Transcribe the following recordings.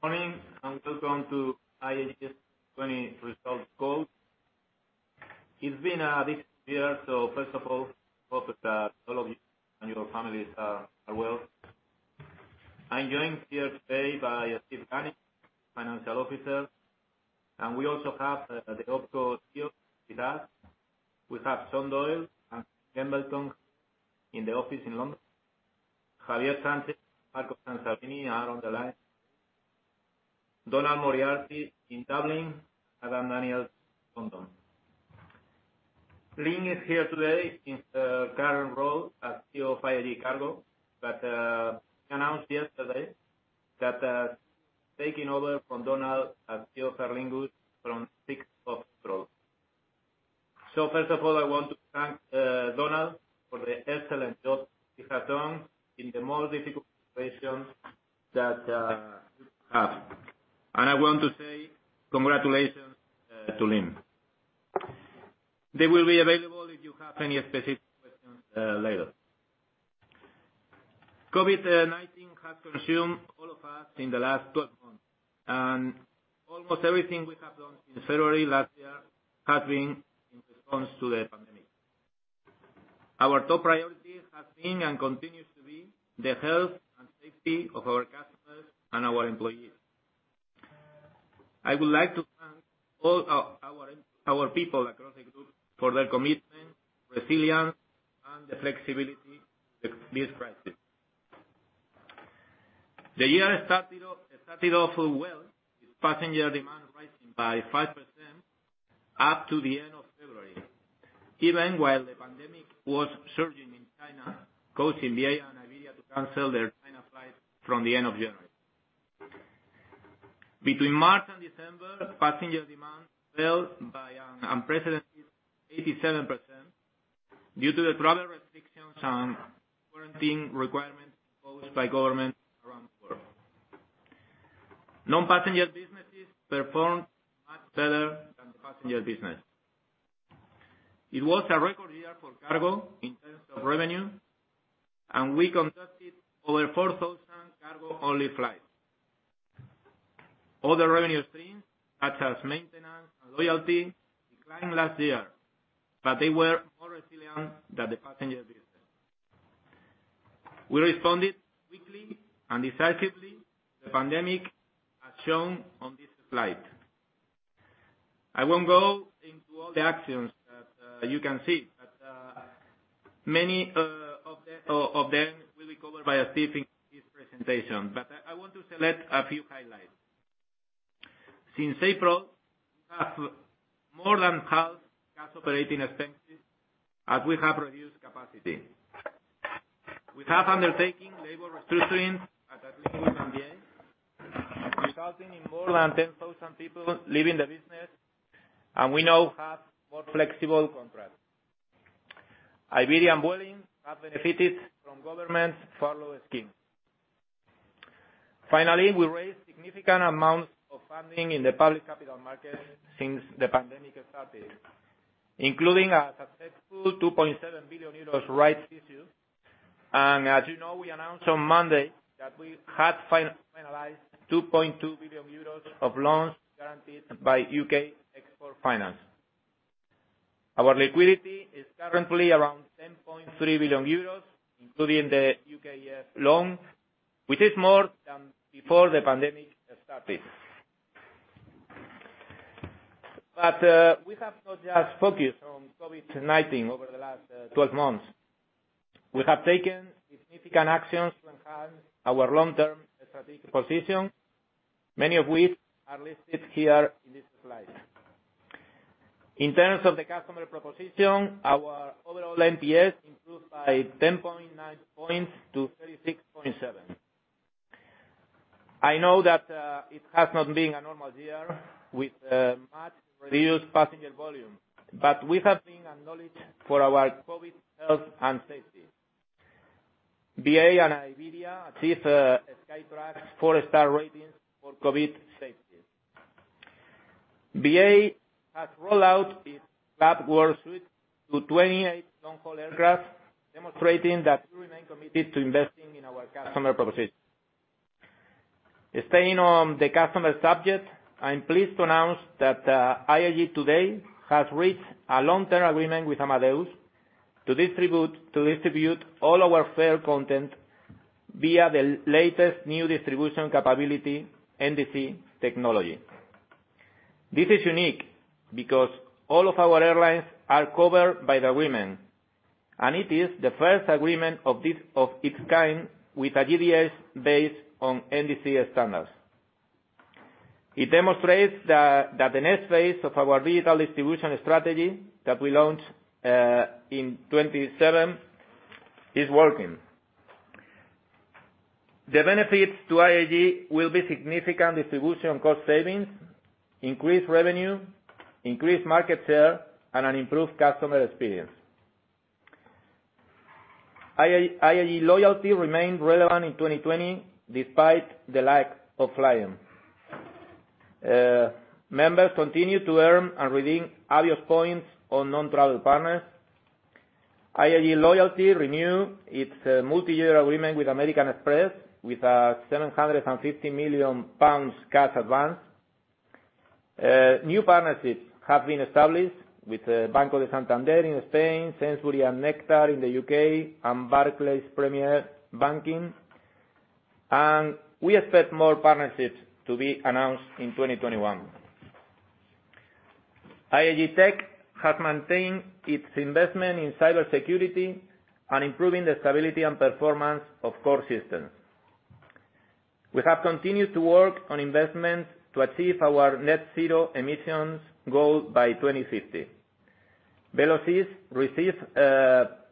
Morning, welcome to IAG's 2020 results call. It's been a big year, first of all, I hope that all of you and your families are well. I'm joined here today by Stephen Gunning, Chief Financial Officer, we also have the OPCO CEO with us. We have Sean Doyle and Ken Maclellan in the office in London. Javier Sánchez and Marco Sansavini are on the line. Donal Horgan in Dublin, Adam Daniels, London. Lynne is here today in her current role as CEO of IAG Cargo, announced yesterday that she is taking over from Donal as CEO of Aer Lingus from 6th of April. First of all, I want to thank Donal for the excellent job he has done in the most difficult situation that we have. I want to say congratulations to Lynne. They will be available if you have any specific questions later. COVID-19 has consumed all of us in the last 12 months. Almost everything we have done in February last year has been in response to the pandemic. Our top priority has been and continues to be the health and safety of our customers and our employees. I would like to thank all our people across the group for their commitment, resilience, and flexibility with this crisis. The year started off well, with passenger demand rising by 5% up to the end of February, even while the pandemic was surging in China, causing BA and Iberia to cancel their China flights from the end of January. Between March and December, passenger demand fell by an unprecedented 87% due to the travel restrictions and quarantine requirements imposed by governments around the world. Non-passenger businesses performed much better than the passenger business. It was a record year for cargo in terms of revenue, and we conducted over 4,000 cargo-only flights. Other revenue streams such as maintenance and loyalty declined last year, but they were more resilient than the passenger business. We responded quickly and decisively to the COVID-19, as shown on this slide. I won't go into all the actions that you can see, but many of them will be covered by Steve in his presentation. I want to select a few highlights. Since April, we have more than halved cash operating expenses as we have reduced capacity. We have undertaken labor restructuring at British and BA, resulting in more than 10,000 people leaving the business, and we now have more flexible contracts. Iberia and Vueling have benefited from government furlough schemes. We raised significant amounts of funding in the public capital market since the pandemic started, including a successful 2.7 billion euros rights issue. As you know, we announced on Monday that we had finalized 2.2 billion euros of loans guaranteed by UK Export Finance. Our liquidity is currently around 10.3 billion euros, including the UKEF loan, which is more than before the pandemic started. We have not just focused on COVID-19 over the last 12 months. We have taken significant actions to enhance our long-term strategic position, many of which are listed here in this slide. In terms of the customer proposition, our overall NPS improved by 10.9 points to 36.7. I know that it has not been a normal year with a much reduced passenger volume, we have been acknowledged for our COVID health and safety. BA and Iberia achieved Skytrax four-star ratings for COVID safety. BA has rolled out its Club World Suite to 28 long-haul aircraft, demonstrating that we remain committed to investing in our customer proposition. Staying on the customer subject, I'm pleased to announce that IAG today has reached a long-term agreement with Amadeus to distribute all our fare content via the latest New Distribution Capability, NDC technology. This is unique because all of our airlines are covered by the agreement, and it is the first agreement of its kind with a GDS based on NDC standards. It demonstrates that the next phase of our retail distribution strategy that we launched in 2017 is working. The benefits to IAG will be significant distribution cost savings, increased revenue, increased market share, and an improved customer experience. IAG Loyalty remained relevant in 2020 despite the lack of flying. Members continued to earn and redeem Avios points on non-travel partners. IAG Loyalty renew its multi-year agreement with American Express with a 750 million pounds cash advance. New partnerships have been established with Banco Santander in Spain, Sainsbury's and Nectar in the U.K., and Barclays Premier Banking. We expect more partnerships to be announced in 2021. IAG Tech has maintained its investment in cybersecurity and improving the stability and performance of core systems. We have continued to work on investments to achieve our net zero emissions goal by 2050. Velocys received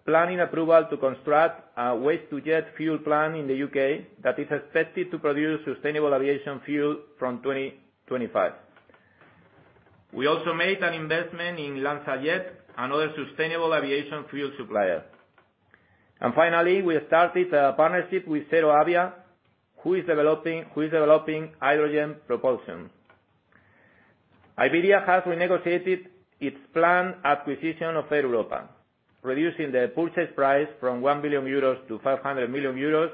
planning approval to construct a waste-to-jet fuel plant in the U.K. that is expected to produce sustainable aviation fuel from 2025. We also made an investment in LanzaJet, another sustainable aviation fuel supplier. Finally, we have started a partnership with ZeroAvia, who is developing hydrogen propulsion. Iberia has renegotiated its planned acquisition of Air Europa, reducing the purchase price from 1 billion euros to 500 million euros,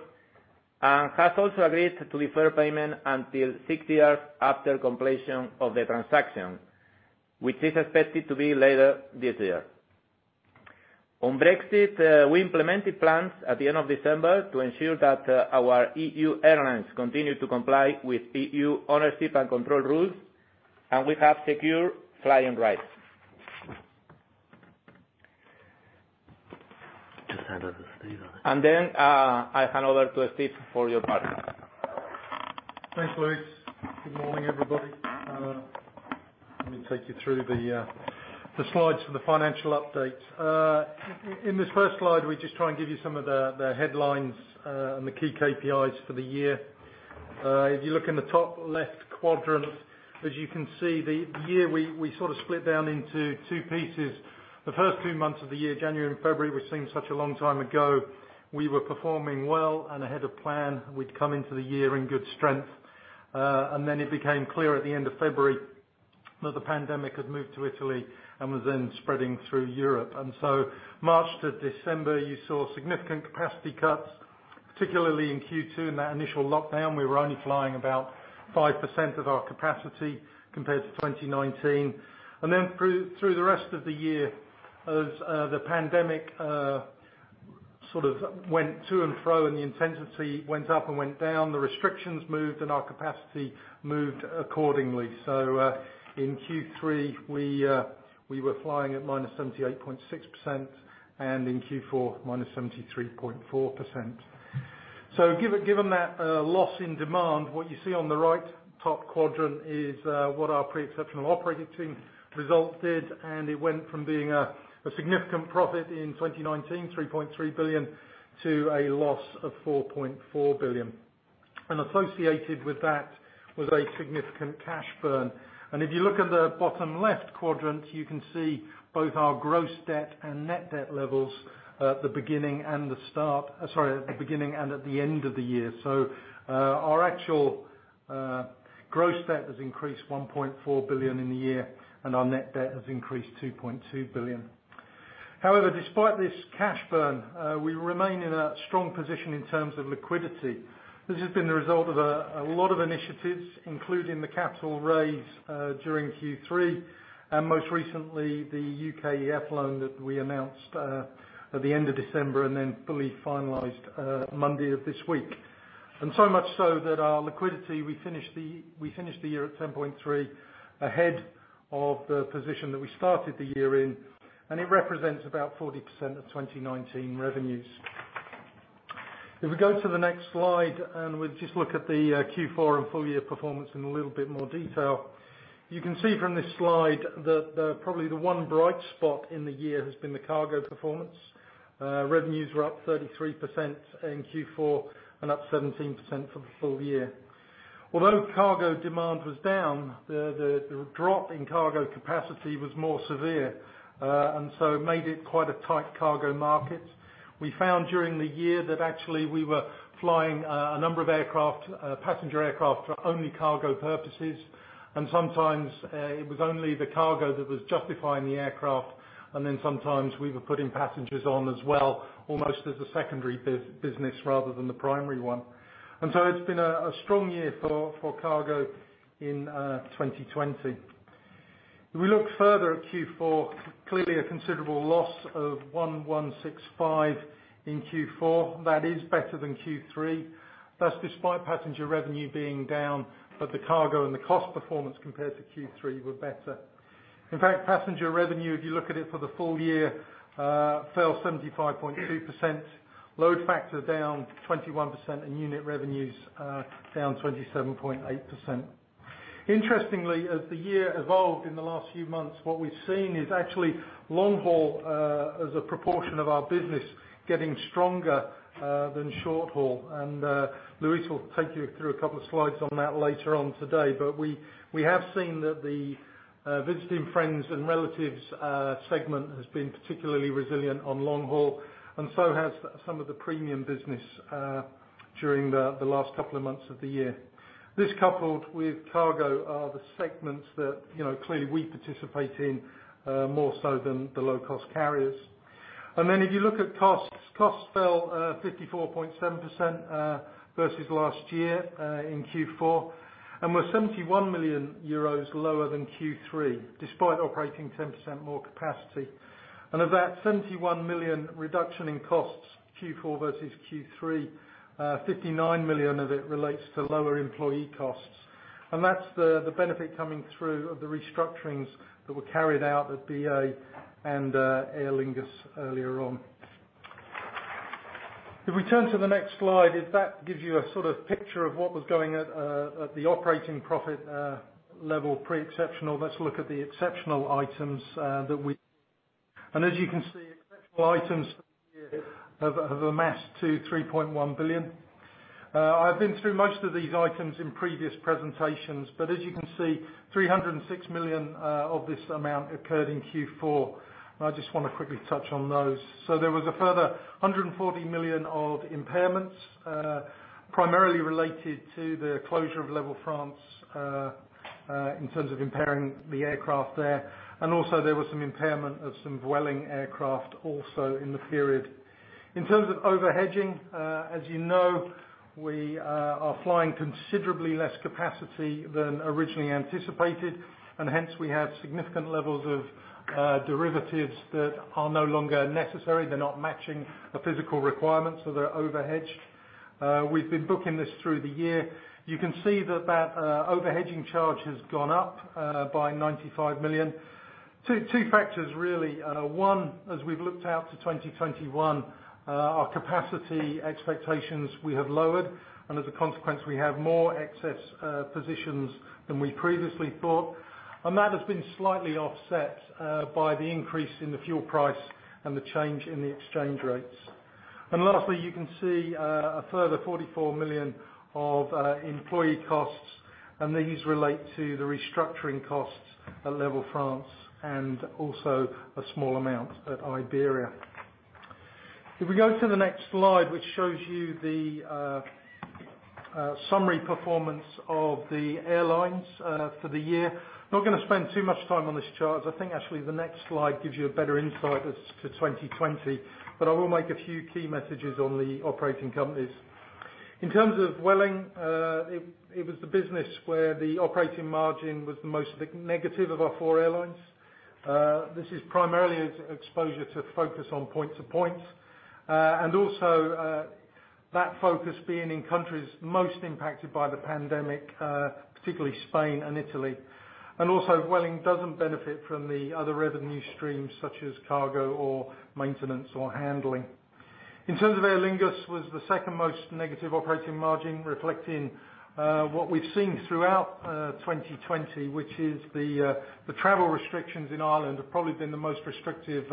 and has also agreed to defer payment until six years after completion of the transaction, which is expected to be later this year. On Brexit, we implemented plans at the end of December to ensure that our EU airlines continue to comply with EU ownership and control rules, and we have secured flying rights. I hand over to Steve for your part. Thanks, Luis. Good morning, everybody. Let me take you through the slides for the financial update. In this first slide, we just try and give you some of the headlines and the key KPIs for the year. If you look in the top left quadrant, as you can see, the year we sort of split down into two pieces. The first two months of the year, January and February, which seem such a long time ago, we were performing well and ahead of plan. We'd come into the year in good strength. It became clear at the end of February that the pandemic had moved to Italy and was then spreading through Europe. March to December, you saw significant capacity cuts, particularly in Q2. In that initial lockdown, we were only flying about 5% of our capacity compared to 2019. Through the rest of the year, as the pandemic sort of went to and fro and the intensity went up and went down, the restrictions moved, and our capacity moved accordingly. In Q3, we were flying at -78.6%, and in Q4, -73.4%. Given that loss in demand, what you see on the right top quadrant is what our pre-exceptional operating results did, and it went from being a significant profit in 2019, 3.3 billion, to a loss of 4.4 billion. Associated with that was a significant cash burn. If you look at the bottom left quadrant, you can see both our gross debt and net debt levels at the beginning and at the end of the year. Our actual gross debt has increased 1.4 billion in the year, and our net debt has increased 2.2 billion. However, despite this cash burn, we remain in a strong position in terms of liquidity. This has been the result of a lot of initiatives, including the capital raise during Q3, and most recently, the UKEF loan that we announced at the end of December and then fully finalized Monday of this week. Much so that our liquidity, we finish the year at 10.3, ahead of the position that we started the year in, and it represents about 40% of 2019 revenues. If we go to the next slide and we just look at the Q4 and full-year performance in a little bit more detail. You can see from this slide that probably the one bright spot in the year has been the cargo performance. Revenues were up 33% in Q4 and up 17% for the full year. Although cargo demand was down, the drop in cargo capacity was more severe, and so it made it quite a tight cargo market. We found during the year that actually we were flying a number of passenger aircraft for only cargo purposes, and sometimes, it was only the cargo that was justifying the aircraft, and then sometimes we were putting passengers on as well, almost as a secondary business rather than the primary one. It's been a strong year for cargo in 2020. If we look further at Q4, clearly a considerable loss of 1,165 in Q4. That is better than Q3. That's despite passenger revenue being down, but the cargo and the cost performance compared to Q3 were better. In fact, passenger revenue, if you look at it for the full year, fell 75.2%, load factor down 21%, and unit revenues down 27.8%. Interestingly, as the year evolved in the last few months, what we've seen is actually long-haul, as a proportion of our business, getting stronger than short-haul. Luis will take you through a couple of slides on that later on today. We have seen that the Visiting Friends and Relatives segment has been particularly resilient on long-haul, and so has some of the premium business during the last couple of months of the year. This coupled with cargo are the segments that clearly we participate in more so than the low-cost carriers. If you look at costs fell 54.7% versus last year in Q4, and were 71 million euros lower than Q3, despite operating 10% more capacity. Of that 71 million reduction in costs, Q4 versus Q3, 59 million of it relates to lower employee costs. That's the benefit coming through of the restructurings that were carried out at BA and Aer Lingus earlier on. If we turn to the next slide, if that gives you a sort of picture of what was going at the operating profit level pre-exceptional. As you can see, exceptional items have amassed to 3.1 billion. I've been through most of these items in previous presentations. As you can see, 306 million of this amount occurred in Q4. I just want to quickly touch on those. There was a further 140 million of impairments, primarily related to the closure of LEVEL France, in terms of impairing the aircraft there. Also there was some impairment of some Vueling aircraft also in the period. In terms of over-hedging, as you know, we are flying considerably less capacity than originally anticipated, and hence we have significant levels of derivatives that are no longer necessary. They're not matching the physical requirements, so they're over-hedged. We've been booking this through the year. You can see that that over-hedging charge has gone up by 95 million. Two factors really. One, as we've looked out to 2021, our capacity expectations we have lowered, and as a consequence, we have more excess positions than we previously thought. That has been slightly offset by the increase in the fuel price and the change in the exchange rates. Lastly, you can see a further 44 million of employee costs, and these relate to the restructuring costs at LEVEL France and also a small amount at Iberia. If we go to the next slide, which shows you the summary performance of the airlines for the year. Not going to spend too much time on this chart as I think actually the next slide gives you a better insight as to 2020. I will make a few key messages on the operating companies. In terms of Vueling, it was the business where the operating margin was the most negative of our four airlines. This is primarily exposure to focus on point to points. Also, that focus being in countries most impacted by the pandemic, particularly Spain and Italy. Also, Vueling doesn't benefit from the other revenue streams such as cargo or maintenance or handling. In terms of Aer Lingus, was the second most negative operating margin, reflecting what we've seen throughout 2020, which is the travel restrictions in Ireland have probably been the most restrictive,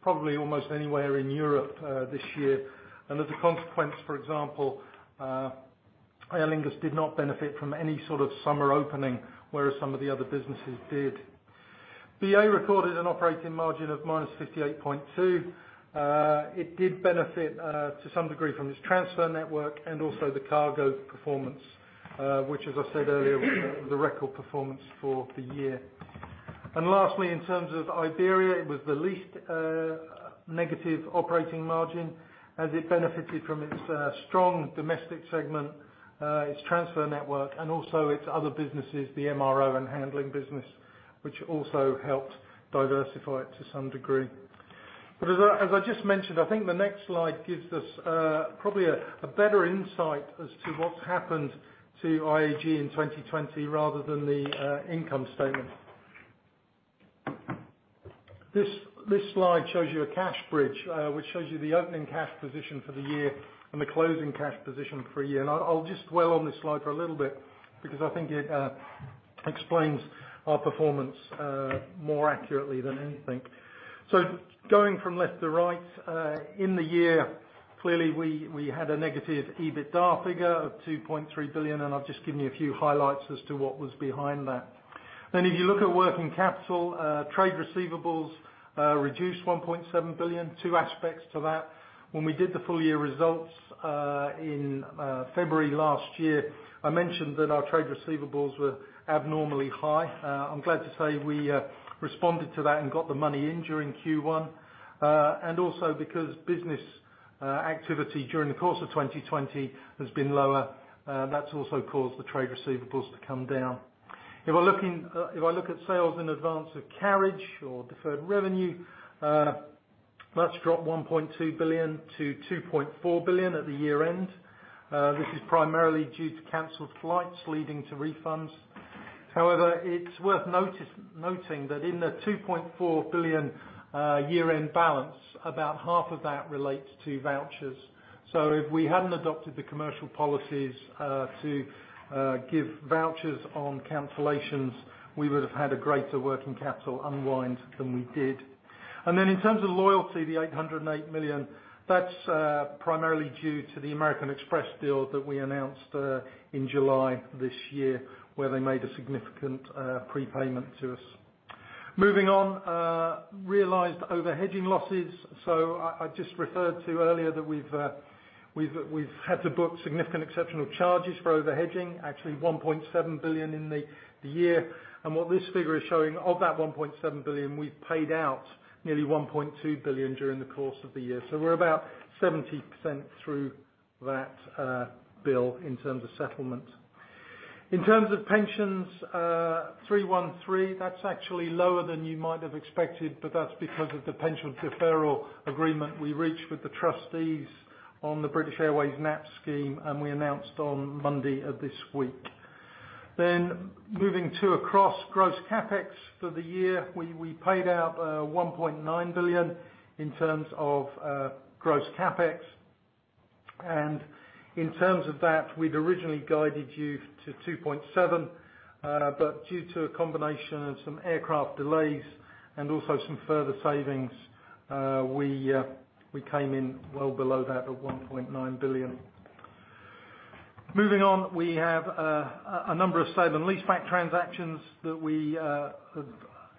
probably almost anywhere in Europe this year. As a consequence, for example, Aer Lingus did not benefit from any sort of summer opening, whereas some of the other businesses did. BA recorded an operating margin of -58.2. It did benefit to some degree from its transfer network and also the cargo performance, which as I said earlier, was a record performance for the year. Lastly, in terms of Iberia, it was the least negative operating margin as it benefited from its strong domestic segment, its transfer network, and also its other businesses, the MRO and handling business, which also helped diversify it to some degree. As I just mentioned, I think the next slide gives us probably a better insight as to what's happened to IAG in 2020 rather than the income statement. This slide shows you a cash bridge, which shows you the opening cash position for the year and the closing cash position for a year. I'll just dwell on this slide for a little bit because I think it explains our performance more accurately than anything. Going from left to right, in the year, clearly we had a negative EBITDA figure of 2.3 billion, and I'll just give you a few highlights as to what was behind that. If you look at working capital, trade receivables reduced 1.7 billion. Two aspects to that. When we did the full year results, in February last year, I mentioned that our trade receivables were abnormally high. I'm glad to say we responded to that and got the money in during Q1. Also because business activity during the course of 2020 has been lower, that's also caused the trade receivables to come down. If I look at sales in advance of carriage or deferred revenue, that's dropped 1.2 billion to 2.4 billion at the year-end. This is primarily due to canceled flights leading to refunds. However, it's worth noting that in the 2.4 billion year-end balance, about half of that relates to vouchers. If we hadn't adopted the commercial policies to give vouchers on cancellations, we would have had a greater working capital unwind than we did. Then in terms of loyalty, the 808 million, that's primarily due to the American Express deal that we announced in July this year, where they made a significant prepayment to us. Moving on, realized over-hedging losses. I just referred to earlier that we've had to book significant exceptional charges for over-hedging, actually 1.7 billion in the year. What this figure is showing, of that 1.7 billion, we've paid out nearly 1.2 billion during the course of the year. We're about 70% through that bill in terms of settlement. In terms of pensions, 313, that's actually lower than you might have expected, but that's because of the pension deferral agreement we reached with the trustees on the British Airways NAPS scheme, and we announced on Monday of this week. Moving to across gross CapEx for the year, we paid out 1.9 billion in terms of gross CapEx. In terms of that, we'd originally guided you to 2.7 billion. Due to a combination of some aircraft delays and also some further savings, we came in well below that of 1.9 billion. Moving on, we have a number of sale and leaseback transactions that we have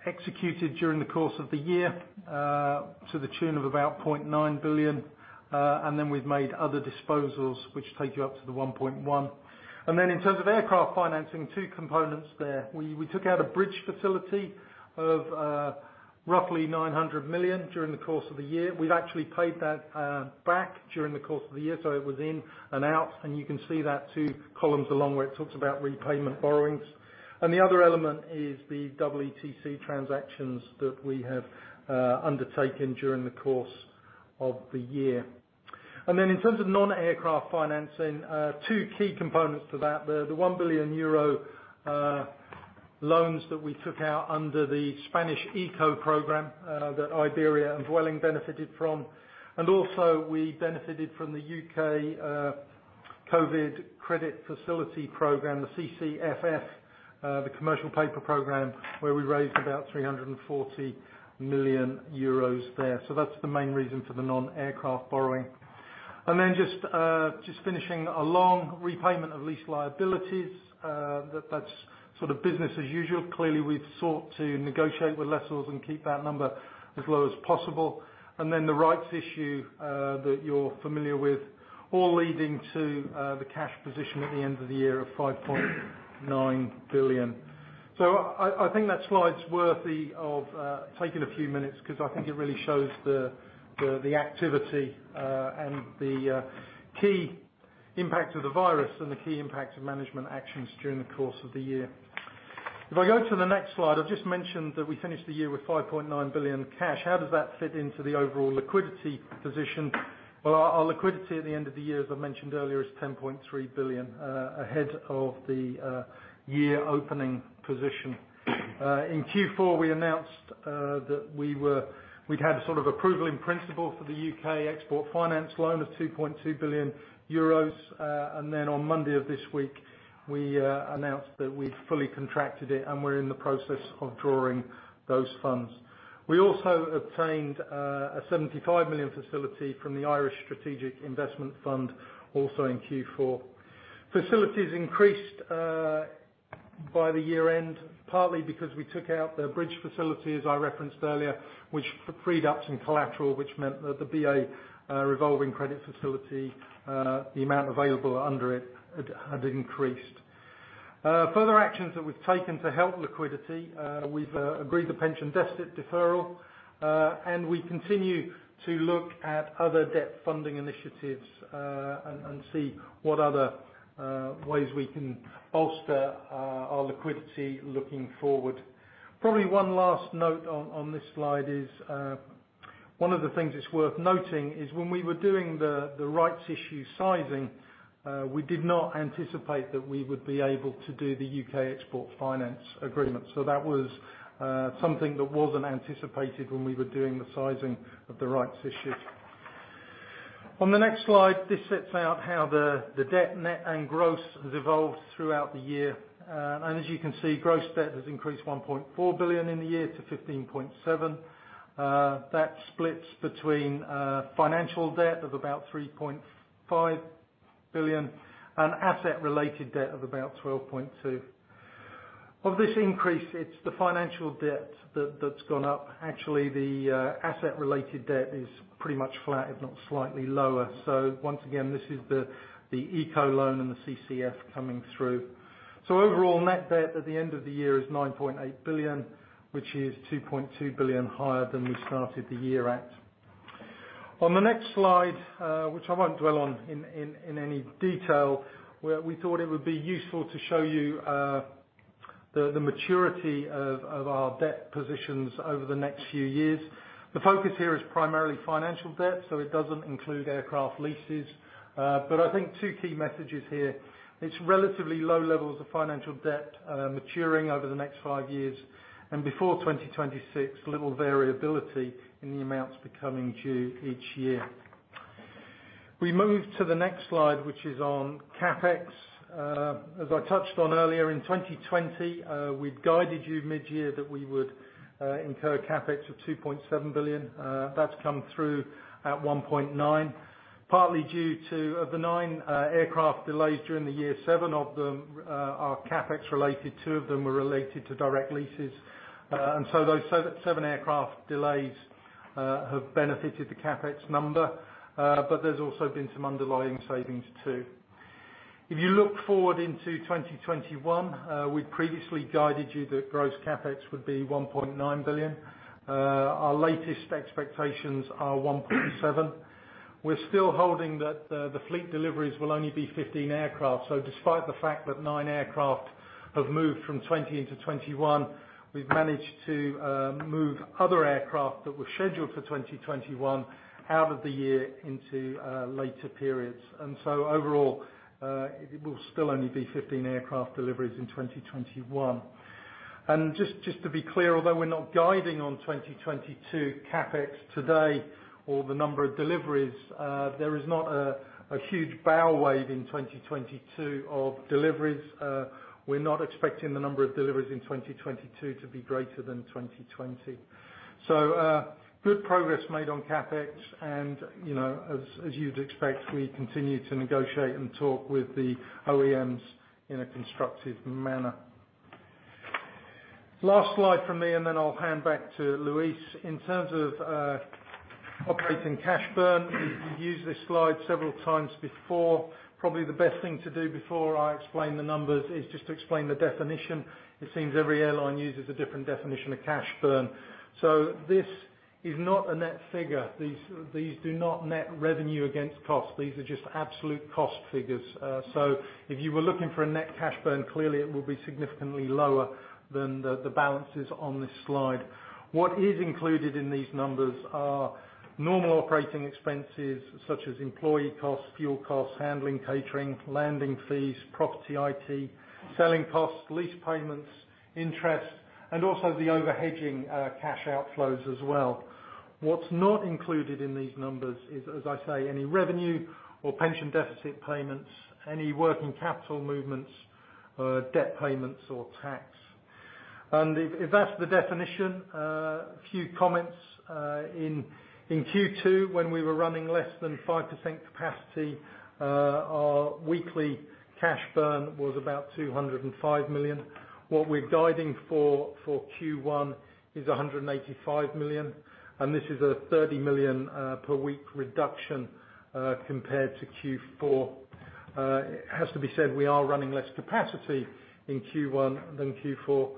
executed during the course of the year to the tune of about 0.9 billion. We've made other disposals, which take you up to the 1.1 billion. In terms of aircraft financing, two components there. We took out a bridge facility of roughly 900 million during the course of the year. We've actually paid that back during the course of the year, so it was in and out, and you can see that two columns along where it talks about repayment borrowings. The other element is the EETC transactions that we have undertaken during the course of the year. In terms of non-aircraft financing, two key components to that, the 1 billion euro loans that we took out under the Spanish ICO program, that Iberia and Vueling benefited from. Also we benefited from the U.K. COVID Corporate Financing Facility program, the CCFF, the commercial paper program, where we raised about 340 million euros there. That's the main reason for the non-aircraft borrowing. Then just finishing along, repayment of lease liabilities, that's business as usual. Clearly, we've sought to negotiate with lessors and keep that number as low as possible. Then the rights issue that you're familiar with, all leading to the cash position at the end of the year of 5.9 billion. I think that slide's worthy of taking a few minutes because I think it really shows the activity, and the key impact of the virus, and the key impact of management actions during the course of the year. If I go to the next slide, I've just mentioned that we finished the year with 5.9 billion cash. How does that fit into the overall liquidity position? Well, our liquidity at the end of the year, as I mentioned earlier, is 10.3 billion ahead of the year-opening position. In Q4, we announced that we'd had sort of approval in principle for the UK Export Finance loan of 2.2 billion euros. On Monday of this week, we announced that we'd fully contracted it, and we're in the process of drawing those funds. We also obtained a 75 million facility from the Ireland Strategic Investment Fund, also in Q4. Facilities increased by the year-end, partly because we took out the bridge facility, as I referenced earlier, which freed up some collateral, which meant that the BA revolving credit facility, the amount available under it, had increased. Further actions that we've taken to help liquidity, we've agreed the pension deficit deferral, and we continue to look at other debt funding initiatives, and see what other ways we can bolster our liquidity looking forward. Probably one last note on this slide is, one of the things that's worth noting is when we were doing the rights issue sizing, we did not anticipate that we would be able to do the UK Export Finance agreement. That was something that wasn't anticipated when we were doing the sizing of the rights issue. On the next slide, this sets out how the debt net and gross has evolved throughout the year. As you can see, gross debt has increased 1.4 billion in the year to 15.7. That splits between financial debt of about 3.5 billion and asset-related debt of about 12.2. Of this increase, it's the financial debt that's gone up. The asset-related debt is pretty much flat, if not slightly lower. Once again, this is the ICO loan and the CCFF coming through. Overall, net debt at the end of the year is 9.8 billion, which is 2.2 billion higher than we started the year at. On the next slide, which I won't dwell on in any detail, we thought it would be useful to show you the maturity of our debt positions over the next few years. The focus here is primarily financial debt, it doesn't include aircraft leases. I think two key messages here. It's relatively low levels of financial debt maturing over the next five years, and before 2026, little variability in the amounts becoming due each year. We move to the next slide, which is on CapEx. As I touched on earlier, in 2020, we'd guided you mid-year that we would incur CapEx of 2.7 billion. That's come through at 1.9 billion. Partly due to, of the nine aircraft delays during the year, seven of them are CapEx related, two of them were related to direct leases. Those seven aircraft delays have benefited the CapEx number, but there's also been some underlying savings, too. If you look forward into 2021, we'd previously guided you that gross CapEx would be 1.9 billion. Our latest expectations are 1.7 billion. We're still holding that the fleet deliveries will only be 15 aircraft. Despite the fact that nine aircraft have moved from 2020 into 2021, we've managed to move other aircraft that were scheduled for 2021 out of the year into later periods. Overall, it will still only be 15 aircraft deliveries in 2021. Just to be clear, although we're not guiding on 2022 CapEx today or the number of deliveries, there is not a huge bow wave in 2022 of deliveries. We're not expecting the number of deliveries in 2022 to be greater than 2020. Good progress made on CapEx and as you'd expect, we continue to negotiate and talk with the OEMs in a constructive manner. Last slide from me, and then I'll hand back to Luis. In terms of operating cash burn, we've used this slide several times before. Probably the best thing to do before I explain the numbers is just to explain the definition. It seems every airline uses a different definition of cash burn. This is not a net figure. These do not net revenue against cost. These are just absolute cost figures. If you were looking for a net cash burn, clearly, it will be significantly lower than the balances on this slide. What is included in these numbers are normal operating expenses such as employee costs, fuel costs, handling, catering, landing fees, property, IT, selling costs, lease payments, interest, and also the over-hedging cash outflows as well. What's not included in these numbers is, as I say, any revenue or pension deficit payments, any working capital movements, debt payments, or tax. If that's the definition, a few comments. In Q2, when we were running less than 5% capacity, our weekly cash burn was about 205 million. What we're guiding for Q1 is 185 million, and this is a 30 million per week reduction, compared to Q4. It has to be said, we are running less capacity in Q1 than Q4.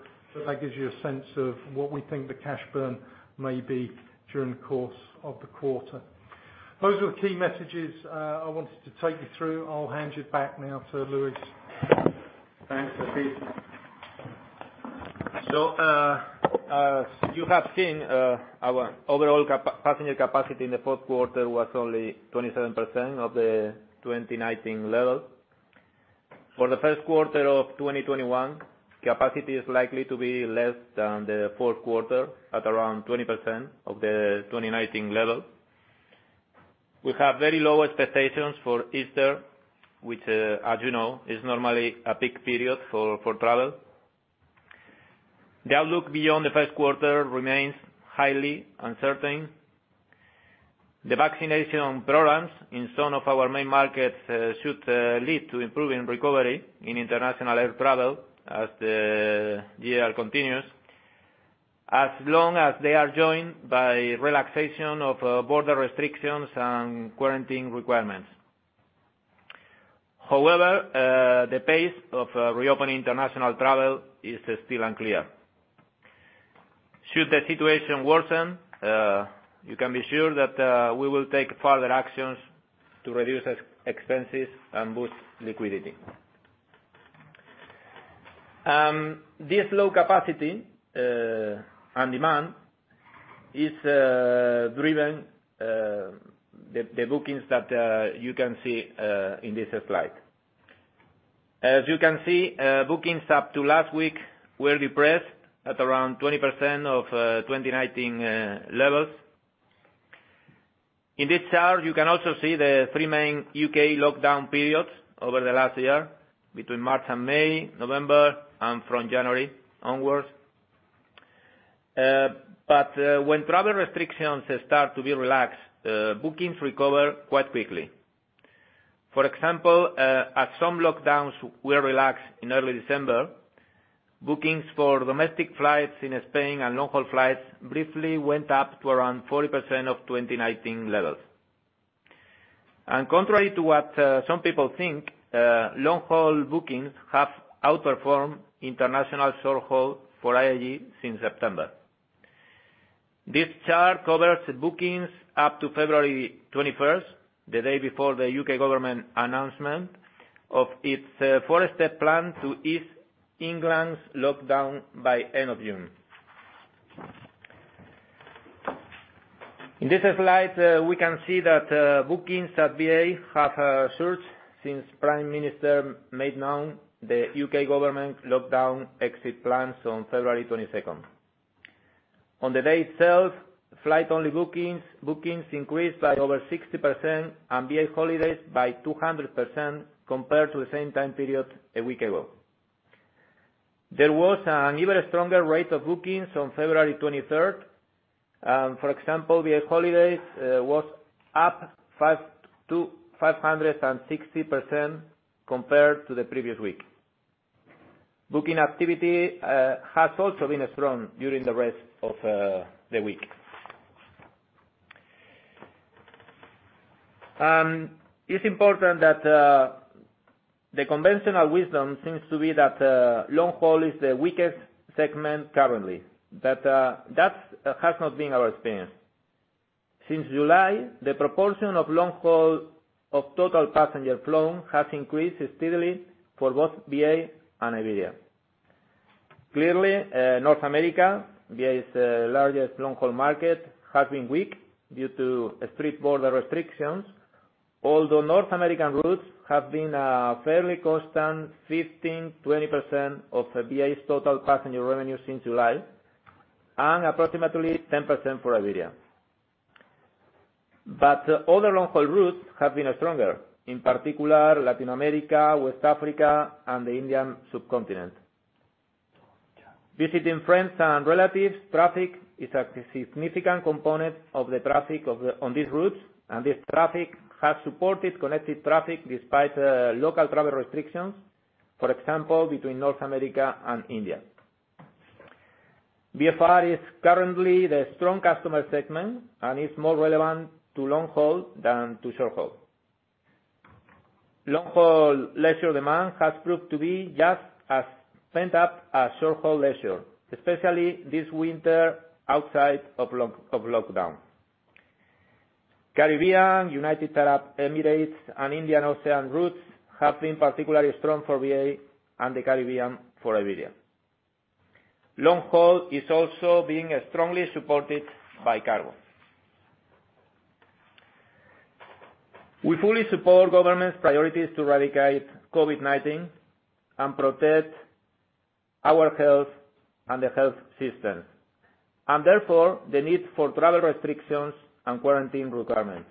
That gives you a sense of what we think the cash burn may be during the course of the quarter. Those are the key messages. I wanted to take you through. I'll hand you back now to Luis. Thanks, Stephen. As you have seen, our overall passenger capacity in the fourth quarter was only 27% of the 2019 level. For the first quarter of 2021, capacity is likely to be less than the fourth quarter, at around 20% of the 2019 level. We have very low expectations for Easter, which, as you know, is normally a peak period for travel. The outlook beyond the first quarter remains highly uncertain. The vaccination programs in some of our main markets should lead to improving recovery in international air travel as the year continues, as long as they are joined by relaxation of border restrictions and quarantine requirements. However, the pace of reopening international travel is still unclear. Should the situation worsen, you can be sure that we will take further actions to reduce expenses and boost liquidity. This low capacity, and demand is driven, the bookings that you can see in this slide. As you can see, bookings up to last week were depressed at around 20% of 2019 levels. In this chart, you can also see the three main U.K. lockdown periods over the last year, between March and May, November, and from January onwards. When travel restrictions start to be relaxed, bookings recover quite quickly. For example, as some lockdowns were relaxed in early December, bookings for domestic flights in Spain and long-haul flights briefly went up to around 40% of 2019 levels. Contrary to what some people think, long-haul bookings have outperformed international short-haul for IAG since September. This chart covers bookings up to February 21st, the day before the U.K. government announcement of its four-step plan to ease England's lockdown by end of June. In this slide, we can see that bookings at BA have surged since Prime Minister made known the U.K. government lockdown exit plans on February 22nd. On the day itself, flight-only bookings increased by over 60% and BA Holidays by 200% compared to the same time period a week ago. There was an even stronger rate of bookings on February 23rd. For example, the holidays was up 560% compared to the previous week. Booking activity has also been strong during the rest of the week. It's important that the conventional wisdom seems to be that long-haul is the weakest segment currently. That has not been our experience. Since July, the proportion of long-haul of total passenger flow has increased steadily for both BA and Iberia. Clearly, North America, BA's largest long-haul market, has been weak due to strict border restrictions. Although North American routes have been a fairly constant 15%-20% of BA's total passenger revenue since July, and approximately 10% for Iberia. Other long-haul routes have been stronger, in particular Latin America, West Africa, and the Indian subcontinent. Visiting friends and relatives traffic is a significant component of the traffic on these routes, and this traffic has supported connected traffic despite local travel restrictions, for example, between North America and India. VFR is currently the strong customer segment and is more relevant to long-haul than to short-haul. Long-haul leisure demand has proved to be just as pent up as short-haul leisure, especially this winter outside of lockdown. Caribbean, United Arab Emirates, and Indian Ocean routes have been particularly strong for BA and the Caribbean for Iberia. Long-haul is also being strongly supported by cargo. We fully support government's priorities to eradicate COVID-19 and protect our health and the health system, and therefore, the need for travel restrictions and quarantine requirements.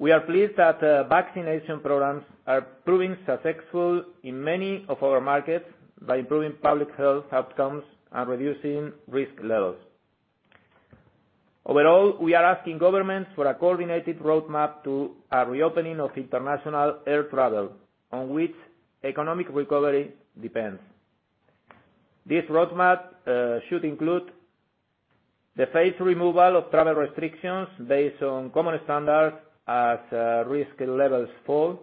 We are pleased that vaccination programs are proving successful in many of our markets by improving public health outcomes and reducing risk levels. Overall, we are asking governments for a coordinated roadmap to a reopening of international air travel, on which economic recovery depends. This roadmap should include the phased removal of travel restrictions based on common standards as risk levels fall,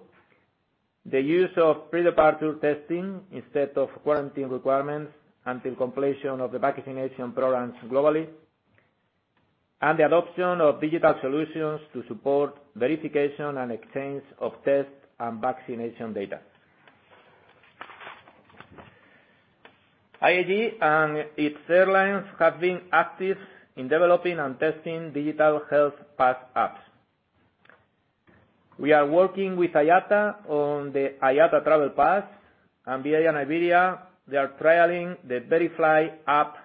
the use of pre-departure testing instead of quarantine requirements until completion of the vaccination programs globally, and the adoption of digital solutions to support verification and exchange of test and vaccination data. IAG and its airlines have been active in developing and testing digital health pass apps. We are working with IATA on the IATA Travel Pass, BA and Iberia, they are trialing the VeriFLY app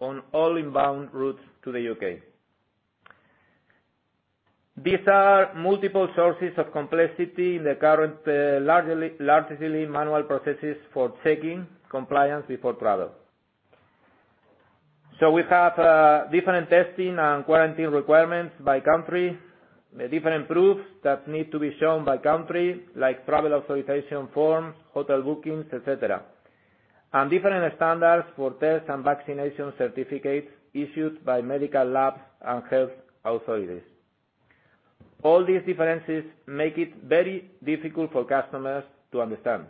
on all inbound routes to the U.K. These are multiple sources of complexity in the current largely manual processes for checking compliance before travel. We have different testing and quarantine requirements by country, different proofs that need to be shown by country, like travel authorization forms, hotel bookings, et cetera, and different standards for test and vaccination certificates issued by medical labs and health authorities. All these differences make it very difficult for customers to understand.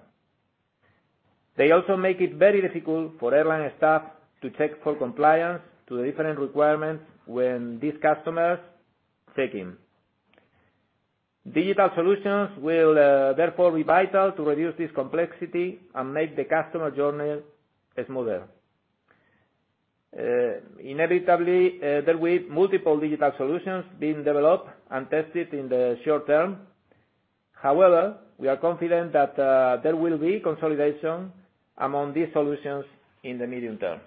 They also make it very difficult for airline staff to check for compliance to the different requirements when these customers check in. Digital solutions will, therefore, be vital to reduce this complexity and make the customer journey smoother. Inevitably, there will be multiple digital solutions being developed and tested in the short term. However, we are confident that there will be consolidation among these solutions in the medium term.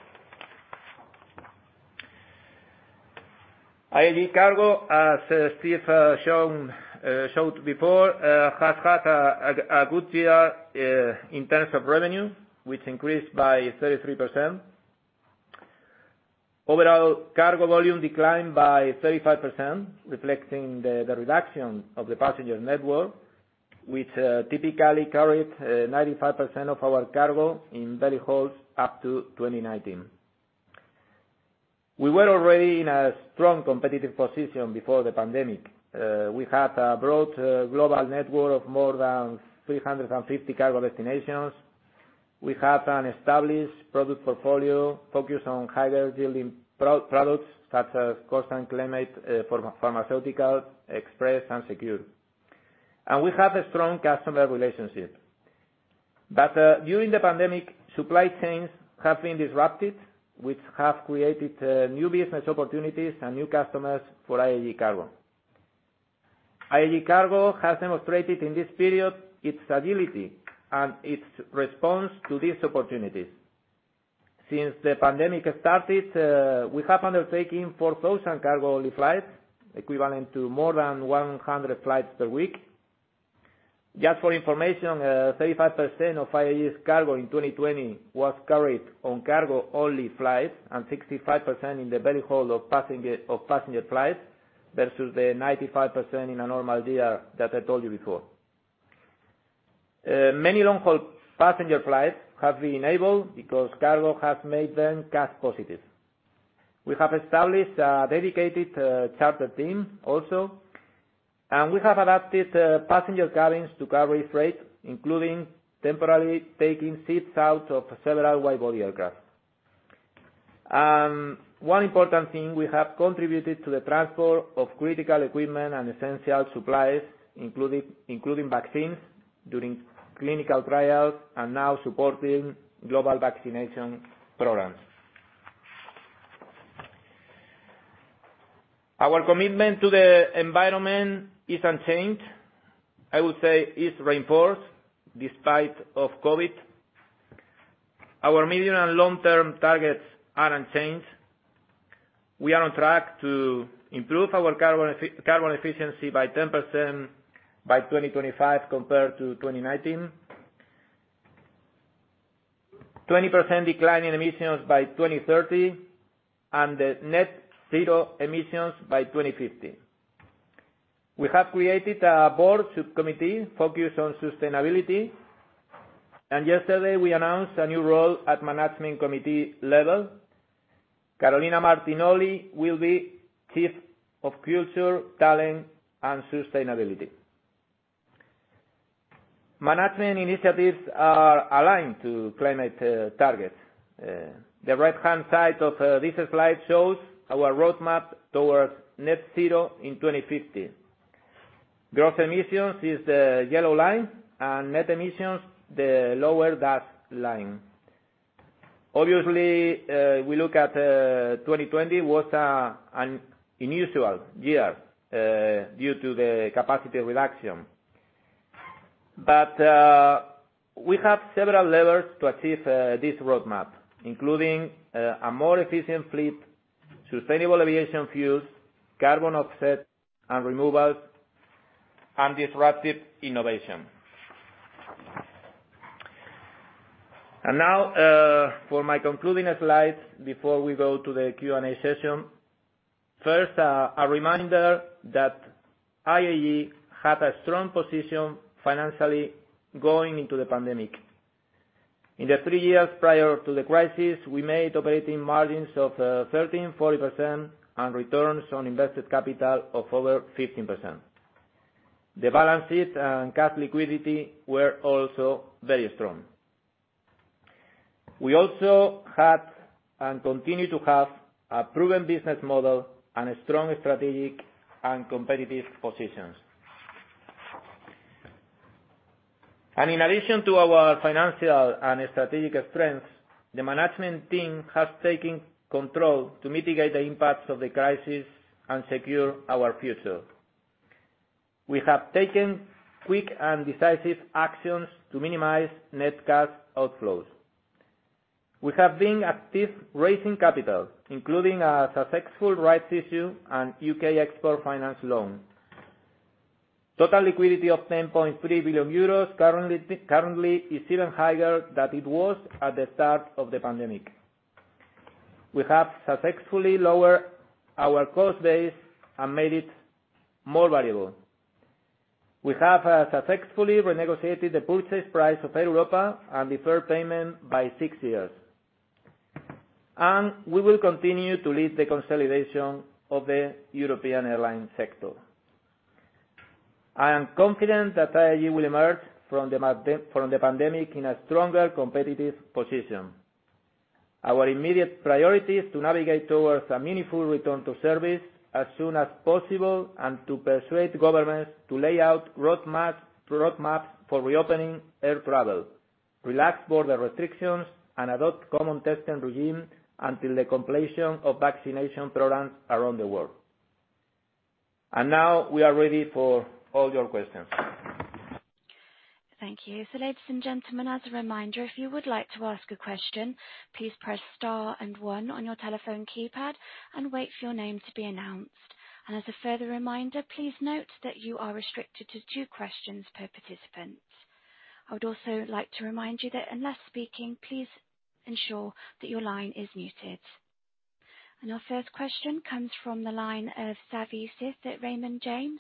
IAG Cargo, as Steve showed before, has had a good year in terms of revenue, which increased by 33%. Overall cargo volume declined by 35%, reflecting the reduction of the passenger network, which typically carried 95% of our cargo in belly holds up to 2019. We were already in a strong competitive position before the pandemic. We had a broad global network of more than 350 cargo destinations. We have an established product portfolio focused on higher yielding products such as Constant Climate, pharmaceutical, express, and secure. We have a strong customer relationship. During the pandemic, supply chains have been disrupted, which have created new business opportunities and new customers for IAG Cargo. IAG Cargo has demonstrated in this period its agility and its response to these opportunities. Since the pandemic started, we have undertaken 4,000 cargo-only flights, equivalent to more than 100 flights per week. Just for your information, 35% of IAG's cargo in 2020 was carried on cargo-only flights and 65% in the belly hold of passenger flights versus the 95% in a normal year that I told you before. Many long-haul passenger flights have been enabled because cargo has made them cash positive. We have established a dedicated charter team also. We have adapted passenger cabins to carry freight, including temporarily taking seats out of several wide-body aircraft. One important thing, we have contributed to the transport of critical equipment and essential supplies, including vaccines during clinical trials, and now supporting global vaccination programs. Our commitment to the environment is unchanged. I would say it's reinforced despite of COVID. Our medium and long-term targets are unchanged. We are on track to improve our carbon efficiency by 10% by 2025, compared to 2019. 20% decline in emissions by 2030, net zero emissions by 2050. We have created a board subcommittee focused on sustainability, yesterday we announced a new role at management committee level. Carolina Martinoli will be chief of culture, talent, and sustainability. Management initiatives are aligned to climate targets. The right-hand side of this slide shows our roadmap towards net zero in 2050. Gross emissions is the yellow line, net emissions, the lower dashed line. Obviously, we look at 2020 was an unusual year, due to the capacity reduction. We have several levers to achieve this roadmap, including a more efficient fleet, Sustainable Aviation Fuels, carbon offset and removals, and disruptive innovation. Now, for my concluding slide before we go to the Q&A session. First, a reminder that IAG had a strong position financially going into the pandemic. In the three years prior to the crisis, we made operating margins of 13% and 14% and returns on invested capital of over 15%. The balances and cash liquidity were also very strong. We also had, and continue to have, a proven business model and a strong strategic and competitive positions. In addition to our financial and strategic strengths, the management team has taken control to mitigate the impacts of the crisis and secure our future. We have taken quick and decisive actions to minimize net cash outflows. We have been active raising capital, including a successful rights issue and U.K. Export Finance loan. Total liquidity of 10.3 billion euros currently is even higher than it was at the start of the pandemic. We have successfully lowered our cost base and made it more valuable. We have successfully renegotiated the purchase price of Air Europa and deferred payment by six years. We will continue to lead the consolidation of the European airline sector. I am confident that IAG will emerge from the pandemic in a stronger competitive position. Our immediate priority is to navigate towards a meaningful return to service as soon as possible and to persuade governments to lay out roadmaps for reopening air travel, relax border restrictions, and adopt common testing regime until the completion of vaccination programs around the world. Now we are ready for all your questions. Thank you. Ladies and gentlemen, as a reminder, if you would like to ask a question, please press star and one on your telephone keypad and wait for your name to be announced. As a further reminder, please note that you are restricted to two questions per participant. I would also like to remind you that unless speaking, please ensure that your line is muted. Our first question comes from the line of Savanthi Syth at Raymond James.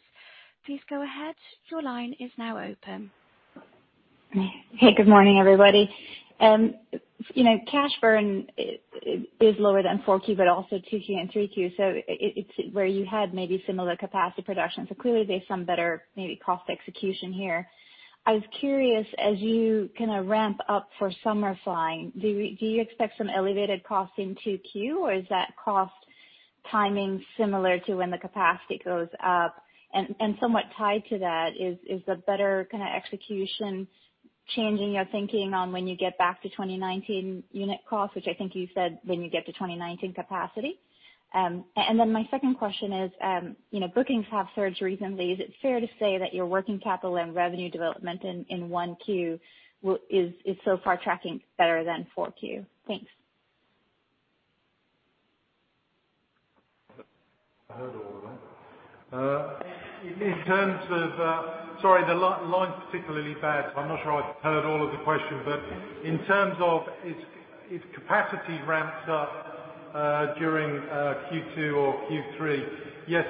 Please go ahead. Your line is now open. Hey, good morning, everybody. Cash burn is lower than Q4, also Q2 and Q3. It's where you had maybe similar capacity production. Clearly there's some better, maybe cost execution here. I was curious, as you kind of ramp up for summer flying, do you expect some elevated costs in Q2, or is that cost timing similar to when the capacity goes up? Somewhat tied to that, is the better execution changing your thinking on when you get back to 2019 unit cost, which I think you said when you get to 2019 capacity? My second question is, bookings have surged recently. Is it fair to say that your working capital and revenue development in Q1 is so far tracking better than Q4? Thanks. Heard all of them. Sorry, the line's particularly bad, so I'm not sure I heard all of the question. In terms of if capacity ramped up during Q2 or Q3, yes,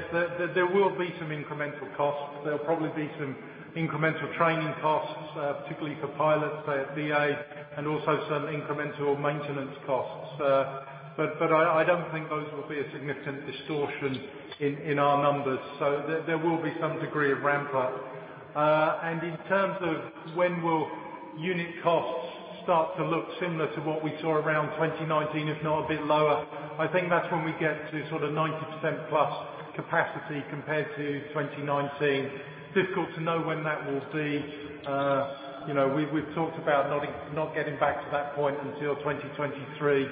there will be some incremental costs. There'll probably be some incremental training costs, particularly for pilots at BA, and also some incremental maintenance costs. I don't think those will be a significant distortion in our numbers. There will be some degree of ramp up. In terms of when will unit costs start to look similar to what we saw around 2019, if not a bit lower, I think that's when we get to sort of 90% plus capacity compared to 2019. Difficult to know when that will be. We've talked about not getting back to that point until 2023.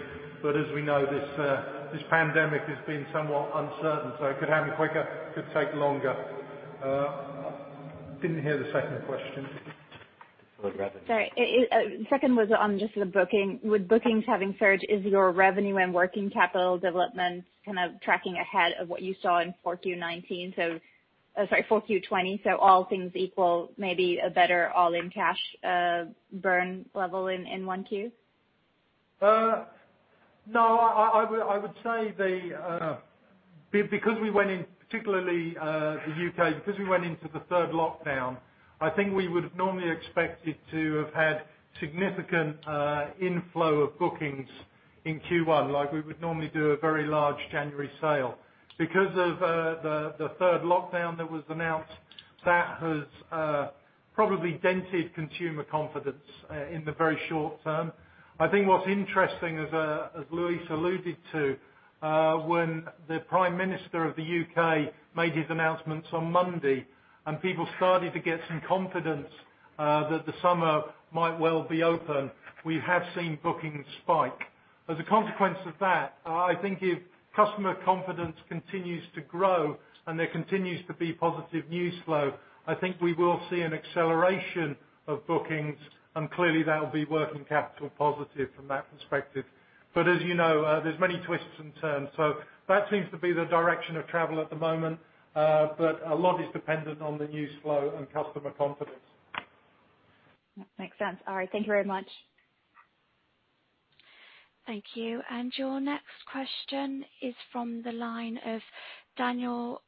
As we know, this pandemic has been somewhat uncertain, so it could happen quicker, could take longer. Didn't hear the second question. Sorry. Second was on just the booking. With bookings having surged, is your revenue and working capital development kind of tracking ahead of what you saw in full Q4 2020? All things equal, maybe a better all-in cash burn level in one Q? No. I would say, particularly the U.K., because we went into the third lockdown, I think we would've normally expected to have had significant inflow of bookings in Q1, like we would normally do a very large January sale. The third lockdown that was announced, that has probably dented consumer confidence in the very short term. I think what's interesting, as Luis alluded to, when the Prime Minister of the U.K. made his announcements on Monday and people started to get some confidence that the summer might well be open, we have seen bookings spike. A consequence of that, I think if customer confidence continues to grow and there continues to be positive news flow, I think we will see an acceleration of bookings, and clearly that will be working capital positive from that perspective. As you know, there's many twists and turns. That seems to be the direction of travel at the moment. A lot is dependent on the news flow and customer confidence. Makes sense. All right, thank you very much. Thank you. Your next question is from the line of Daniel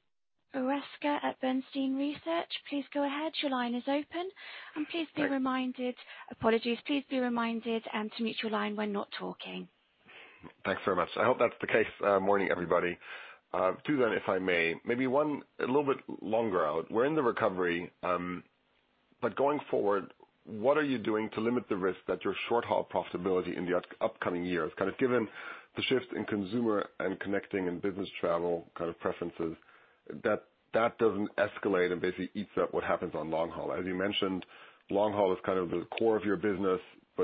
Roeska at Bernstein Research. Please go ahead. Your line is open. Please be reminded to mute your line when not talking. Thanks very much. I hope that's the case. Morning, everybody. Two, if I may. Maybe one a little bit longer out. We're in the recovery, going forward, what are you doing to limit the risk that your short-haul profitability in the upcoming years, kind of given the shift in consumer and connecting and business travel preferences, that that doesn't escalate and basically eats up what happens on long haul? As you mentioned, long haul is kind of the core of your business,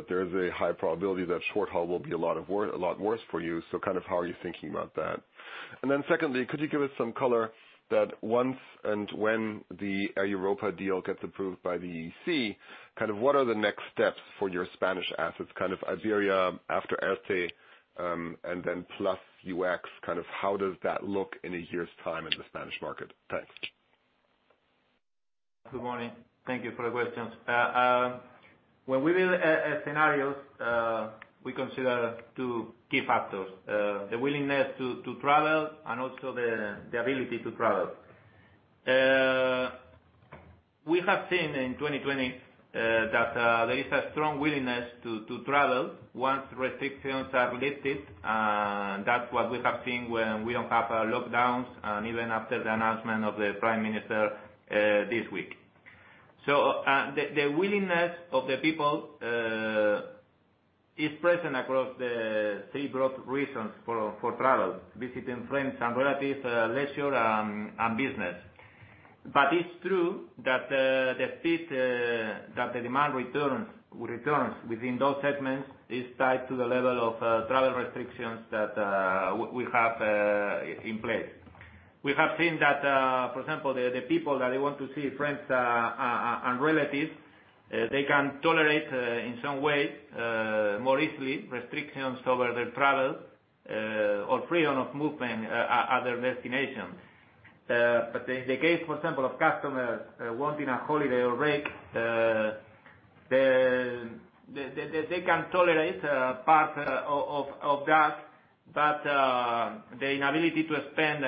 there is a high probability that short haul will be a lot worse for you. How are you thinking about that? Secondly, could you give us some color that once and when the Air Europa deal gets approved by the EC, what are the next steps for your Spanish assets, Iberia after LTE, plus UX, how does that look in a year's time in the Spanish market? Thanks. Good morning. Thank you for the questions. When we build scenarios, we consider two key factors. The willingness to travel and also the ability to travel. We have seen in 2020 that there is a strong willingness to travel once restrictions are lifted. That's what we have seen when we don't have lockdowns, and even after the announcement of the Prime Minister this week. The willingness of the people is present across the three broad reasons for travel: visiting friends and relatives, leisure and business. It's true that the speed that the demand returns within those segments is tied to the level of travel restrictions that we have in place. We have seen that, for example, the people that they want to see friends and relatives, they can tolerate, in some way, more easily restrictions over their travel or freedom of movement at their destination. In the case, for example, of customers wanting a holiday or break, they can tolerate part of that, but the inability to spend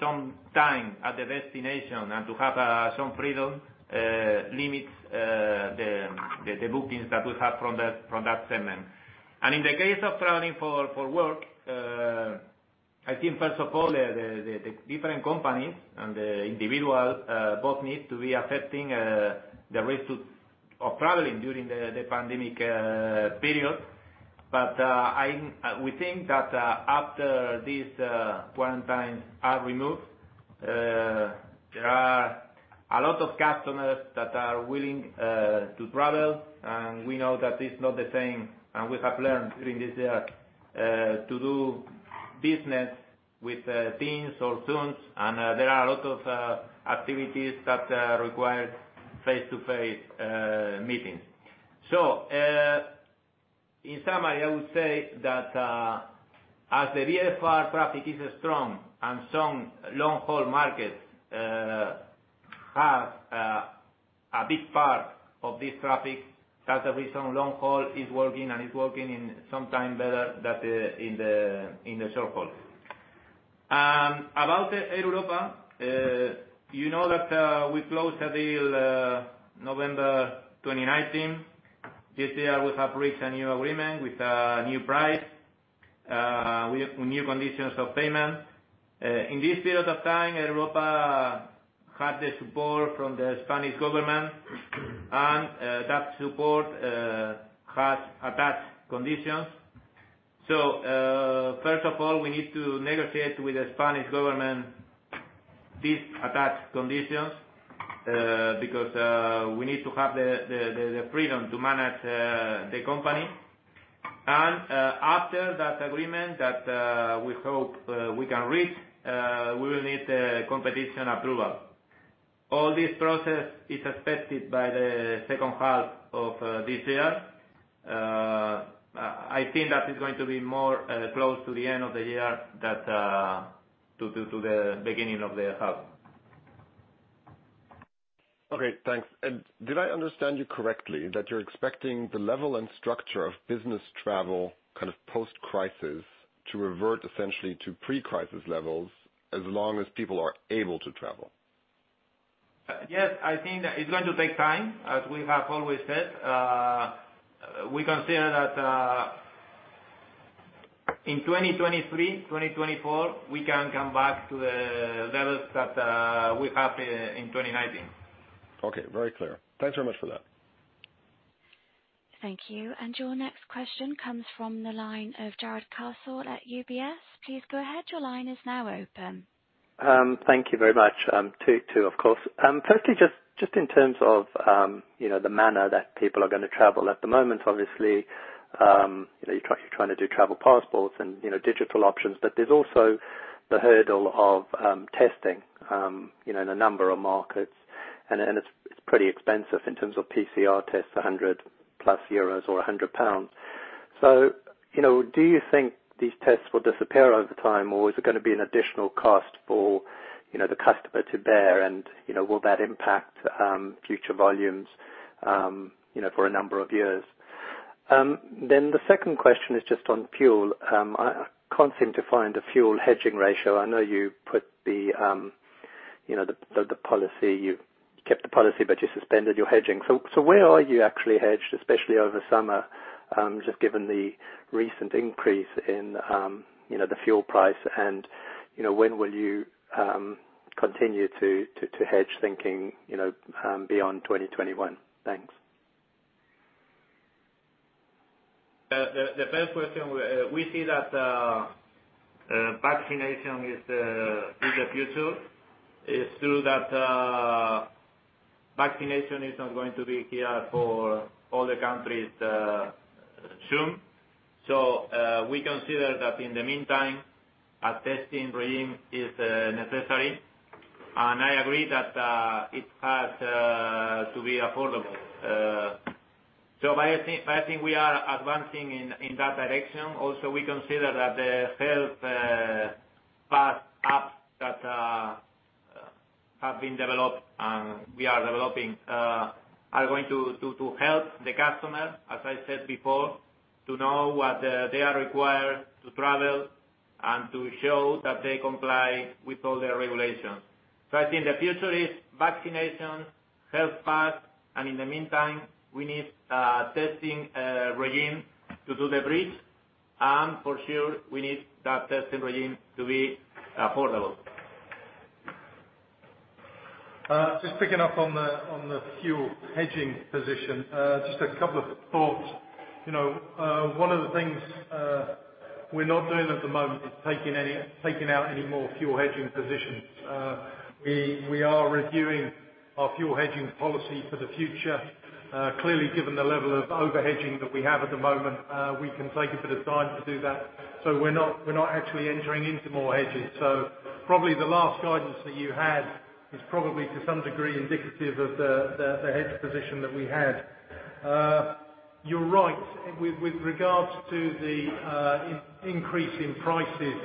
some time at the destination and to have some freedom limits the bookings that we have from that segment. In the case of traveling for work, I think first of all, the different companies and the individual, both need to be assessing the risk of traveling during the pandemic period. We think that after these quarantines are removed, there are a lot of customers that are willing to travel. We know that it's not the same, and we have learned during this year to do business with Teams or Zoom, and there are a lot of activities that require face-to-face meetings. In summary, I would say that as the VFR traffic is strong and some long-haul markets have a big part of this traffic, that's the reason long-haul is working, and it's working sometimes better than in the short-haul. About Air Europa, you know that we closed the deal November 2019. This year, we have reached a new agreement with a new price, with new conditions of payment. In this period of time, Air Europa had the support from the Spanish government, and that support has attached conditions. First of all, we need to negotiate with the Spanish government these attached conditions, because we need to have the freedom to manage the company. After that agreement that we hope we can reach, we will need the competition approval. All this process is expected by the second half of this year. I think that is going to be more close to the end of the year than to the beginning of the half. Okay, thanks. Did I understand you correctly, that you're expecting the level and structure of business travel, post-crisis, to revert essentially to pre-crisis levels as long as people are able to travel? Yes, I think it's going to take time, as we have always said. We consider that in 2023, 2024, we can come back to the levels that we had in 2019. Okay. Very clear. Thanks very much for that. Thank you. Your next question comes from the line of Jarrod Castle at UBS. Please go ahead. Thank you very much. Two, of course. Firstly, just in terms of the manner that people are going to travel. At the moment, obviously, you're trying to do travel passports and digital options. There's also the hurdle of testing in a number of markets, and it's pretty expensive in terms of PCR tests, 100 euros plus or GBP 100. Do you think these tests will disappear over time, or is it going to be an additional cost for the customer to bear, and will that impact future volumes for a number of years? The second question is just on fuel. I can't seem to find a fuel hedging ratio. I know you kept the policy, but you suspended your hedging. Where are you actually hedged, especially over summer, just given the recent increase in the fuel price? When will you continue to hedge thinking beyond 2021? Thanks. The first question, we see that vaccination is the future. It is true that vaccination is not going to be here for all the countries soon. We consider that in the meantime, a testing regime is necessary. I agree that it has to be affordable. I think we are advancing in that direction. Also, we consider that the health pass apps that have been developed, and we are developing, are going to help the customer, as I said before, to know what they are required to travel and to show that they comply with all the regulations. I think the future is vaccination, health pass, and in the meantime, we need a testing regime to do the bridge. For sure, we need that testing regime to be affordable. Just picking up on the fuel hedging position, just a couple of thoughts. One of the things we're not doing at the moment is taking out any more fuel hedging positions. We are reviewing our fuel hedging policy for the future. Clearly, given the level of over-hedging that we have at the moment, we can take a bit of time to do that. We're not actually entering into more hedging. Probably the last guidance that you had is probably to some degree indicative of the hedge position that we had. You're right with regards to the increase in prices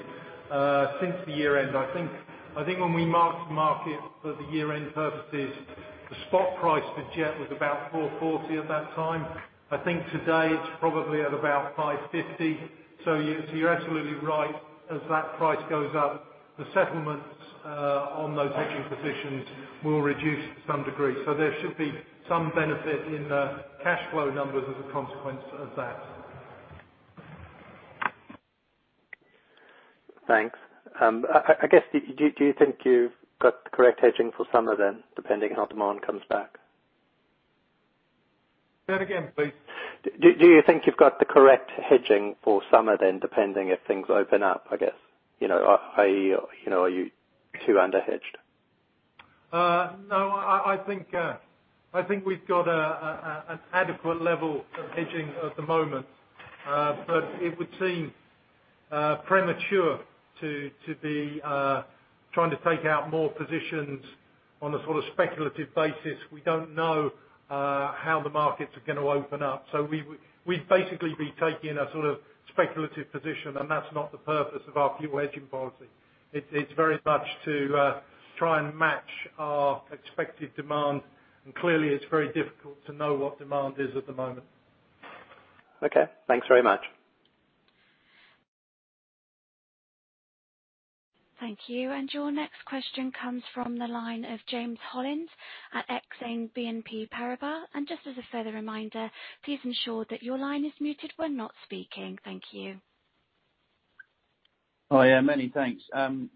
since the year-end. I think when we marked the market for the year-end purposes, the spot price for jet was about 440 at that time. I think today it's probably at about 550. You're absolutely right. As that price goes up, the settlements on those hedging positions will reduce to some degree. There should be some benefit in the cash flow numbers as a consequence of that. Thanks. I guess, do you think you've got the correct hedging for summer then, depending how demand comes back? Say that again, please. Do you think you've got the correct hedging for summer then, depending if things open up, I guess? Are you too under-hedged? No, I think we've got an adequate level of hedging at the moment. It would seem premature to be trying to take out more positions on a speculative basis. We don't know how the markets are going to open up. We'd basically be taking a speculative position, and that's not the purpose of our fuel hedging policy. It's very much to try and match our expected demand. Clearly, it's very difficult to know what demand is at the moment. Okay. Thanks very much. Thank you. Your next question comes from the line of James Hollins at Exane BNP Paribas. Just as a further reminder, please ensure that your line is muted when not speaking. Thank you. Hi, many thanks.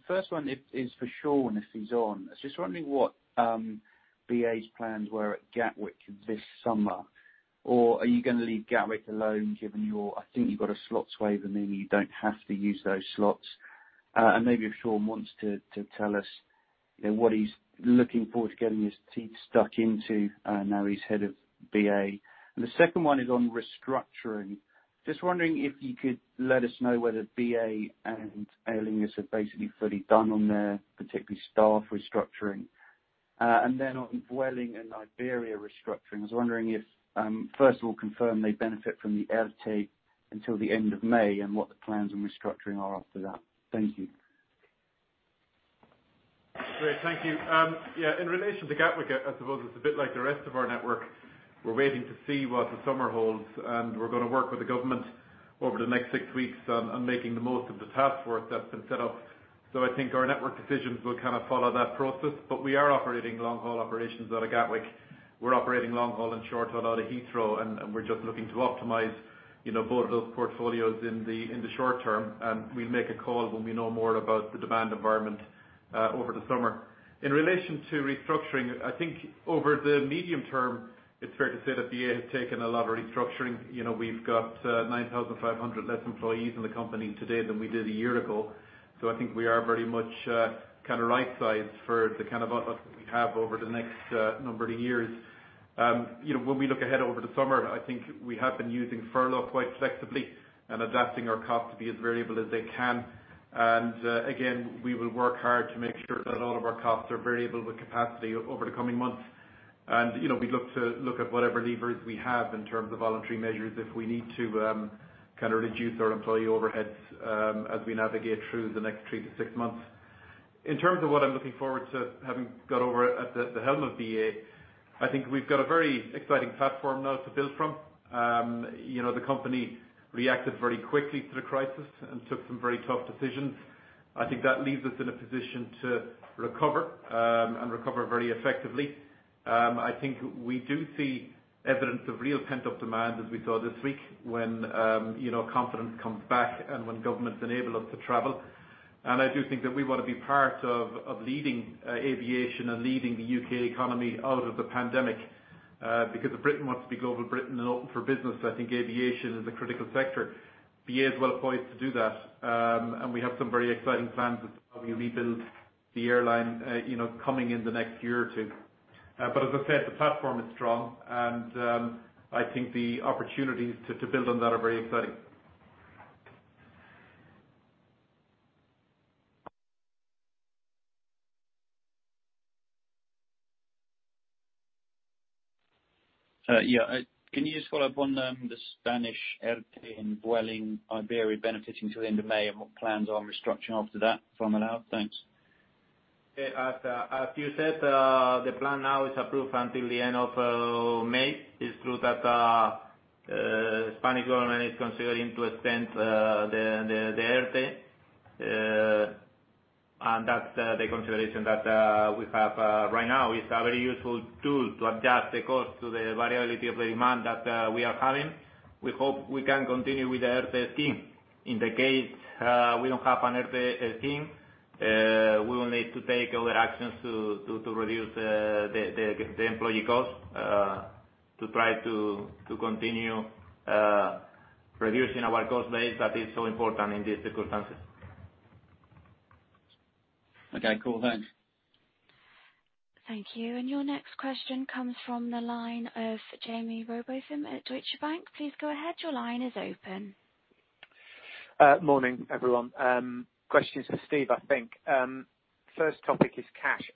First one is for Sean, if he's on. I was just wondering what BA's plans were at Gatwick this summer. Are you going to leave Gatwick alone, given your, I think you've got a slots waiver, meaning you don't have to use those slots. Maybe if Sean wants to tell us what he's looking forward to getting his teeth stuck into now he's head of BA. The second one is on restructuring. Just wondering if you could let us know whether BA and Aer Lingus have basically fully done on their particularly staff restructuring. On Vueling and Iberia restructuring, I was wondering if, first of all, confirm they benefit from the ERTE until the end of May, and what the plans on restructuring are after that. Thank you. Great. Thank you. Yeah, in relation to Gatwick, I suppose it's a bit like the rest of our network. We're waiting to see what the summer holds, and we're going to work with the government over the next six weeks on making the most of the task force that's been set up. I think our network decisions will follow that process. We are operating long-haul operations out of Gatwick. We're operating long haul and short haul out of Heathrow, and we're just looking to optimize both those portfolios in the short term. We'll make a call when we know more about the demand environment over the summer. In relation to restructuring, I think over the medium term, it's fair to say that BA has taken a lot of restructuring. We've got 9,500 less employees in the company today than we did a year ago. I think we are very much right-sized for the kind of outlook that we have over the next number of years. When we look ahead over the summer, I think we have been using furlough quite flexibly and adapting our costs to be as variable as they can. Again, we will work hard to make sure that all of our costs are variable with capacity over the coming months. We'd look to look at whatever levers we have in terms of voluntary measures if we need to reduce our employee overheads as we navigate through the next three to six months. In terms of what I'm looking forward to having got over at the helm of BA, I think we've got a very exciting platform now to build from. The company reacted very quickly to the crisis and took some very tough decisions. I think that leaves us in a position to recover, and recover very effectively. I think we do see evidence of real pent-up demand as we saw this week when confidence comes back and when governments enable us to travel. I do think that we want to be part of leading aviation and leading the U.K. economy out of the pandemic, because if Britain wants to be global Britain and open for business, I think aviation is a critical sector. BA is well poised to do that. We have some very exciting plans of how we rebuild the airline coming in the next year or two. As I said, the platform is strong and I think the opportunities to build on that are very exciting. Yeah. Can you just follow up on the Spanish ERTE and Vueling Iberia benefiting till the end of May? What plans on restructuring after that, if I'm allowed? Thanks. As you said, the plan now is approved until the end of May. It's true that Spanish government is considering to extend the ERTE. That's the consideration that we have right now. It's a very useful tool to adjust the cost to the variability of the demand that we are having. We hope we can continue with the ERTE scheme. In the case we don't have an ERTE scheme, we will need to take other actions to reduce the employee cost, to try to continue reducing our cost base that is so important in these circumstances. Okay, cool. Thanks. Thank you. Your next question comes from the line of Jaime Rowbotham at Deutsche Bank. Please go ahead. Your line is open. Morning, everyone. Question is for Steve, I think. First topic is cash.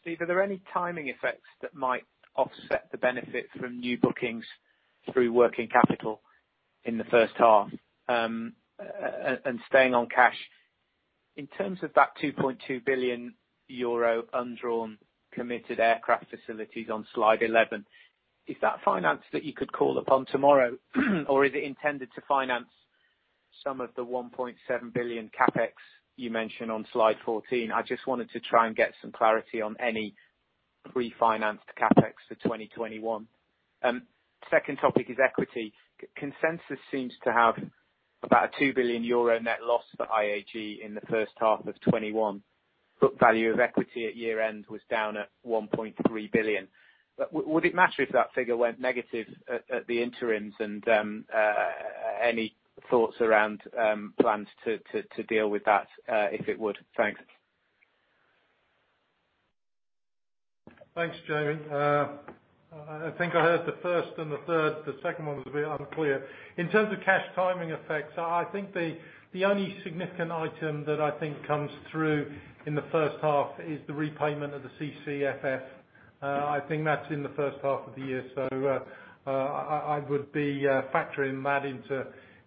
Steve, are there any timing effects that might offset the benefit from new bookings through working capital in the first half? Staying on cash, in terms of that 2.2 billion euro undrawn committed aircraft facilities on slide 11, is that finance that you could call upon tomorrow? Or is it intended to finance some of the 1.7 billion CapEx you mention on slide 14? I just wanted to try and get some clarity on any refinanced CapEx for 2021. Second topic is equity. Consensus seems to have about a 2 billion euro net loss for IAG in the first half of 2021. Book value of equity at year-end was down at 1.3 billion. Would it matter if that figure went negative at the interims? Any thoughts around plans to deal with that if it would? Thanks. Thanks, Jaime. I think I heard the first and the third. The second one was a bit unclear. In terms of cash timing effects, I think the only significant item that I think comes through in the first half is the repayment of the CCFF. I think that's in the first half of the year. I would be factoring that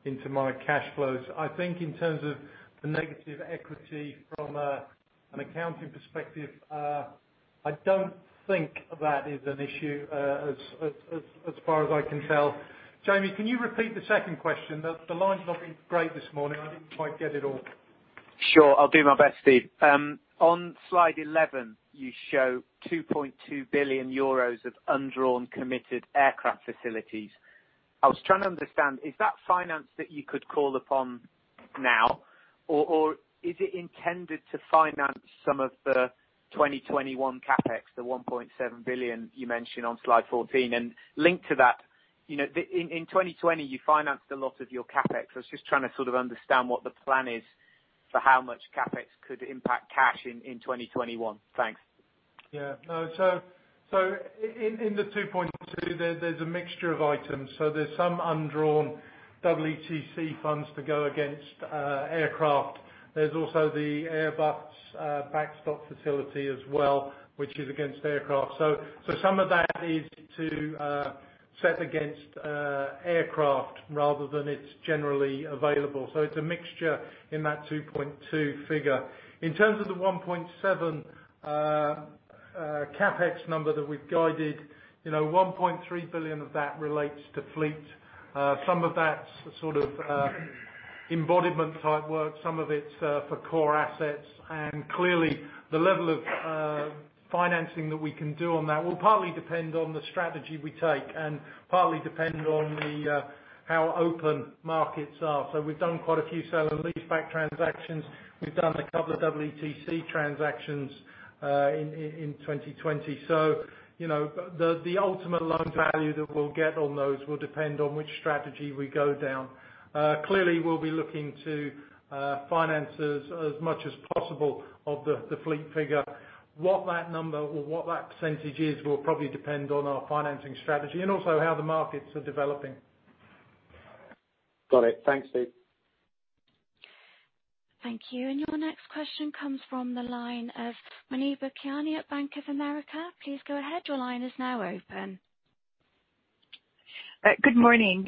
into my cash flows. I think in terms of the negative equity from an accounting perspective, I don't think that is an issue as far as I can tell. Jaime, can you repeat the second question? The line's not been great this morning. I didn't quite get it all. Sure, I'll do my best, Steve. On slide 11, you show 2.2 billion euros of undrawn committed aircraft facilities. I was trying to understand, is that finance that you could call upon now? Or is it intended to finance some of the 2021 CapEx, the 1.7 billion you mentioned on slide 14? Linked to that, in 2020, you financed a lot of your CapEx. I was just trying to sort of understand what the plan is for how much CapEx could impact cash in 2021. Thanks. Yeah. In the 2.2, there's a mixture of items. There's some undrawn EETC funds to go against aircraft. There's also the Airbus backstop facility as well, which is against aircraft. Some of that is to set against aircraft rather than it's generally available. It's a mixture in that 2.2 figure. In terms of the 1.7 CapEx number that we've guided, 1.3 billion of that relates to fleet. Some of that's sort of embodiment type work, some of it's for core assets. Clearly, the level of financing that we can do on that will partly depend on the strategy we take and partly depend on how open markets are. We've done quite a few sell and leaseback transactions. We've done a couple of EETC transactions in 2020. The ultimate loan value that we'll get on those will depend on which strategy we go down. We'll be looking to finance as much as possible of the fleet figure. What that number or what that percentage is will probably depend on our financing strategy and also how the markets are developing. Got it. Thanks, Steve. Thank you. Your next question comes from the line of Muneeba Kayani at Bank of America. Please go ahead. Good morning.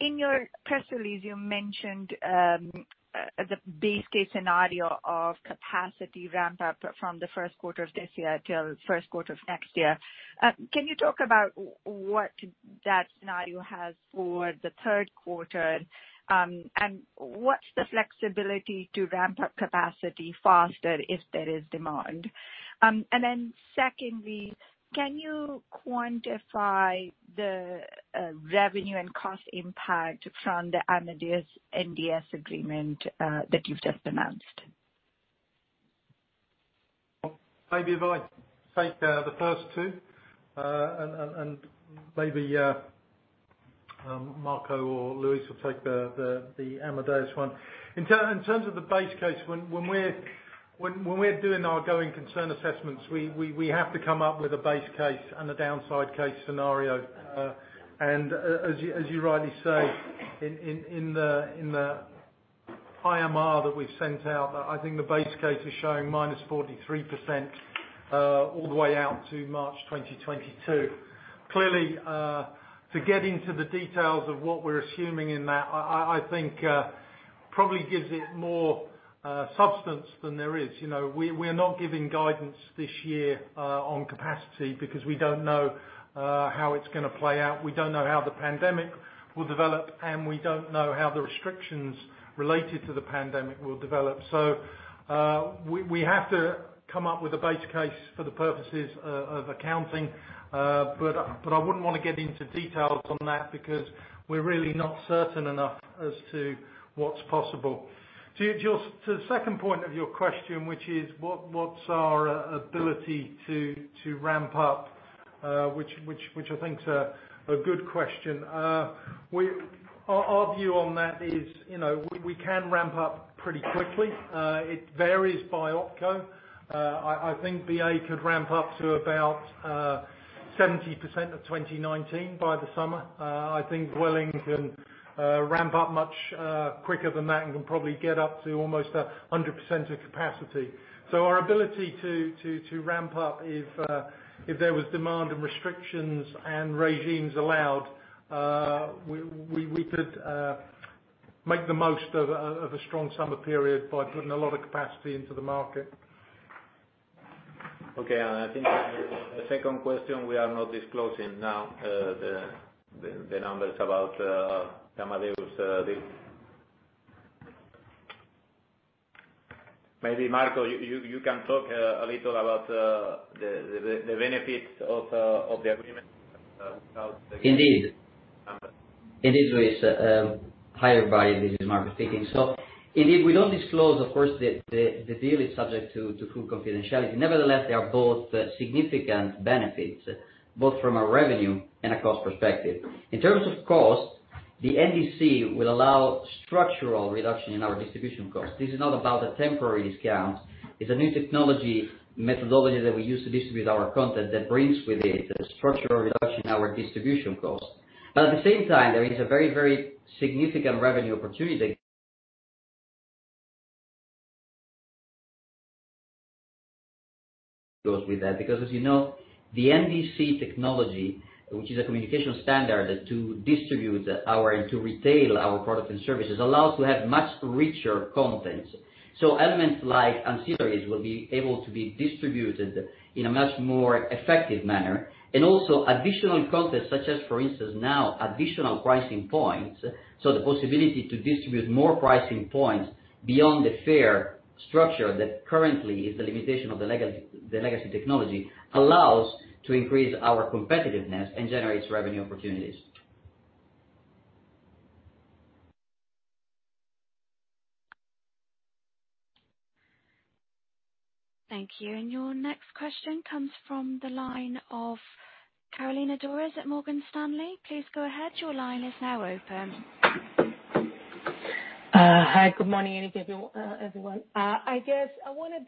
In your press release, you mentioned the base case scenario of capacity ramp up from the first quarter of this year till first quarter of next year. Can you talk about what that scenario has for the third quarter? What's the flexibility to ramp up capacity faster if there is demand? Secondly, can you quantify the revenue and cost impact from the Amadeus NDC agreement that you've just announced? Maybe if I take the first two, and maybe Marco or Luis will take the Amadeus one. In terms of the base case, when we're doing our going concern assessments, we have to come up with a base case and a downside case scenario. As you rightly say, in the IMR that we've sent out, I think the base case is showing -43% all the way out to March 2022. Clearly, to get into the details of what we're assuming in that, I think probably gives it more substance than there is. We are not giving guidance this year on capacity because we don't know how it's going to play out. We don't know how the pandemic will develop, and we don't know how the restrictions related to the pandemic will develop. We have to come up with a base case for the purposes of accounting. I wouldn't want to get into details on that because we're really not certain enough as to what's possible. To the second point of your question, which is what's our ability to ramp up, which I think is a good question. Our view on that is, we can ramp up pretty quickly. It varies by opco. I think BA could ramp up to about 70% of 2019 by the summer. I think Vueling can ramp up much quicker than that and can probably get up to almost 100% of capacity. Our ability to ramp up if there was demand and restrictions and regimes allowed, we could make the most of a strong summer period by putting a lot of capacity into the market. Okay. I think the second question, we are not disclosing now the numbers about Amadeus. Maybe Marco, you can talk a little about the benefits of the agreement. Indeed. Indeed, Luis. Hi, everybody. This is Marco speaking. Indeed, we don't disclose, of course, the deal is subject to full confidentiality. Nevertheless, there are both significant benefits, both from a revenue and a cost perspective. In terms of cost, the NDC will allow structural reduction in our distribution costs. This is not about a temporary discount. It's a new technology methodology that we use to distribute our content that brings with it a structural reduction in our distribution costs. At the same time, there is a very significant revenue opportunity that goes with that. As you know, the NDC technology, which is a communication standard to distribute and to retail our product and services, allow us to have much richer content. Elements like ancillaries will be able to be distributed in a much more effective manner. Also additional content such as, for instance, now additional pricing points. The possibility to distribute more pricing points beyond the fare structure that currently is the limitation of the legacy technology, allows to increase our competitiveness and generates revenue opportunities. Thank you. Your next question comes from the line of Carolina Dores at Morgan Stanley. Please go ahead. Hi. Good morning everyone. I guess I wanted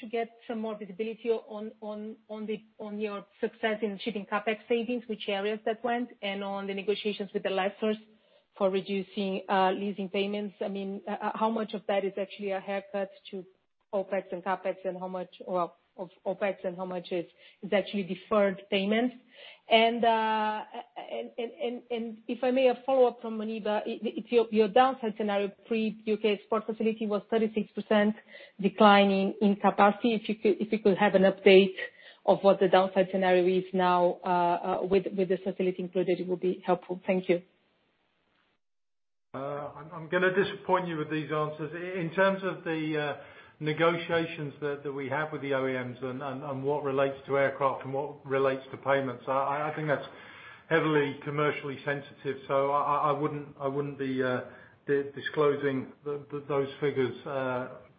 to get some more visibility on your success in achieving CapEx savings, which areas that went, and on the negotiations with the lessors for reducing leasing payments. How much of that is actually a haircut to OpEx and how much is actually deferred payments? If I may, a follow-up from Muneeba. If your downside scenario pre U.K. support facility was 36% decline in capacity, if you could have an update of what the downside scenario is now with this facility included, it would be helpful. Thank you. I'm going to disappoint you with these answers. In terms of the negotiations that we have with the OEMs and what relates to aircraft and what relates to payments, I think that's heavily commercially sensitive, so I wouldn't be disclosing those figures,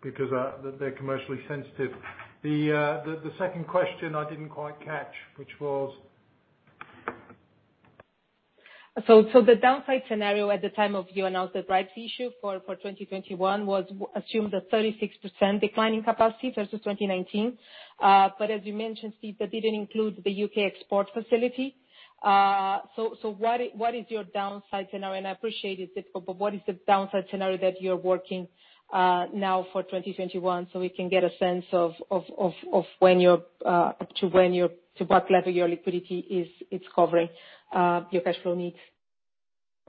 because they're commercially sensitive. The second question I didn't quite catch, which was? The downside scenario at the time of you announced the rights issue for 2021 was assumed a 36% decline in capacity versus 2019. As you mentioned, Steve, that didn't include the UK Export Finance. What is your downside scenario? I appreciate it's difficult, what is the downside scenario that you're working now for 2021 so we can get a sense of what level your liquidity is covering your cash flow needs?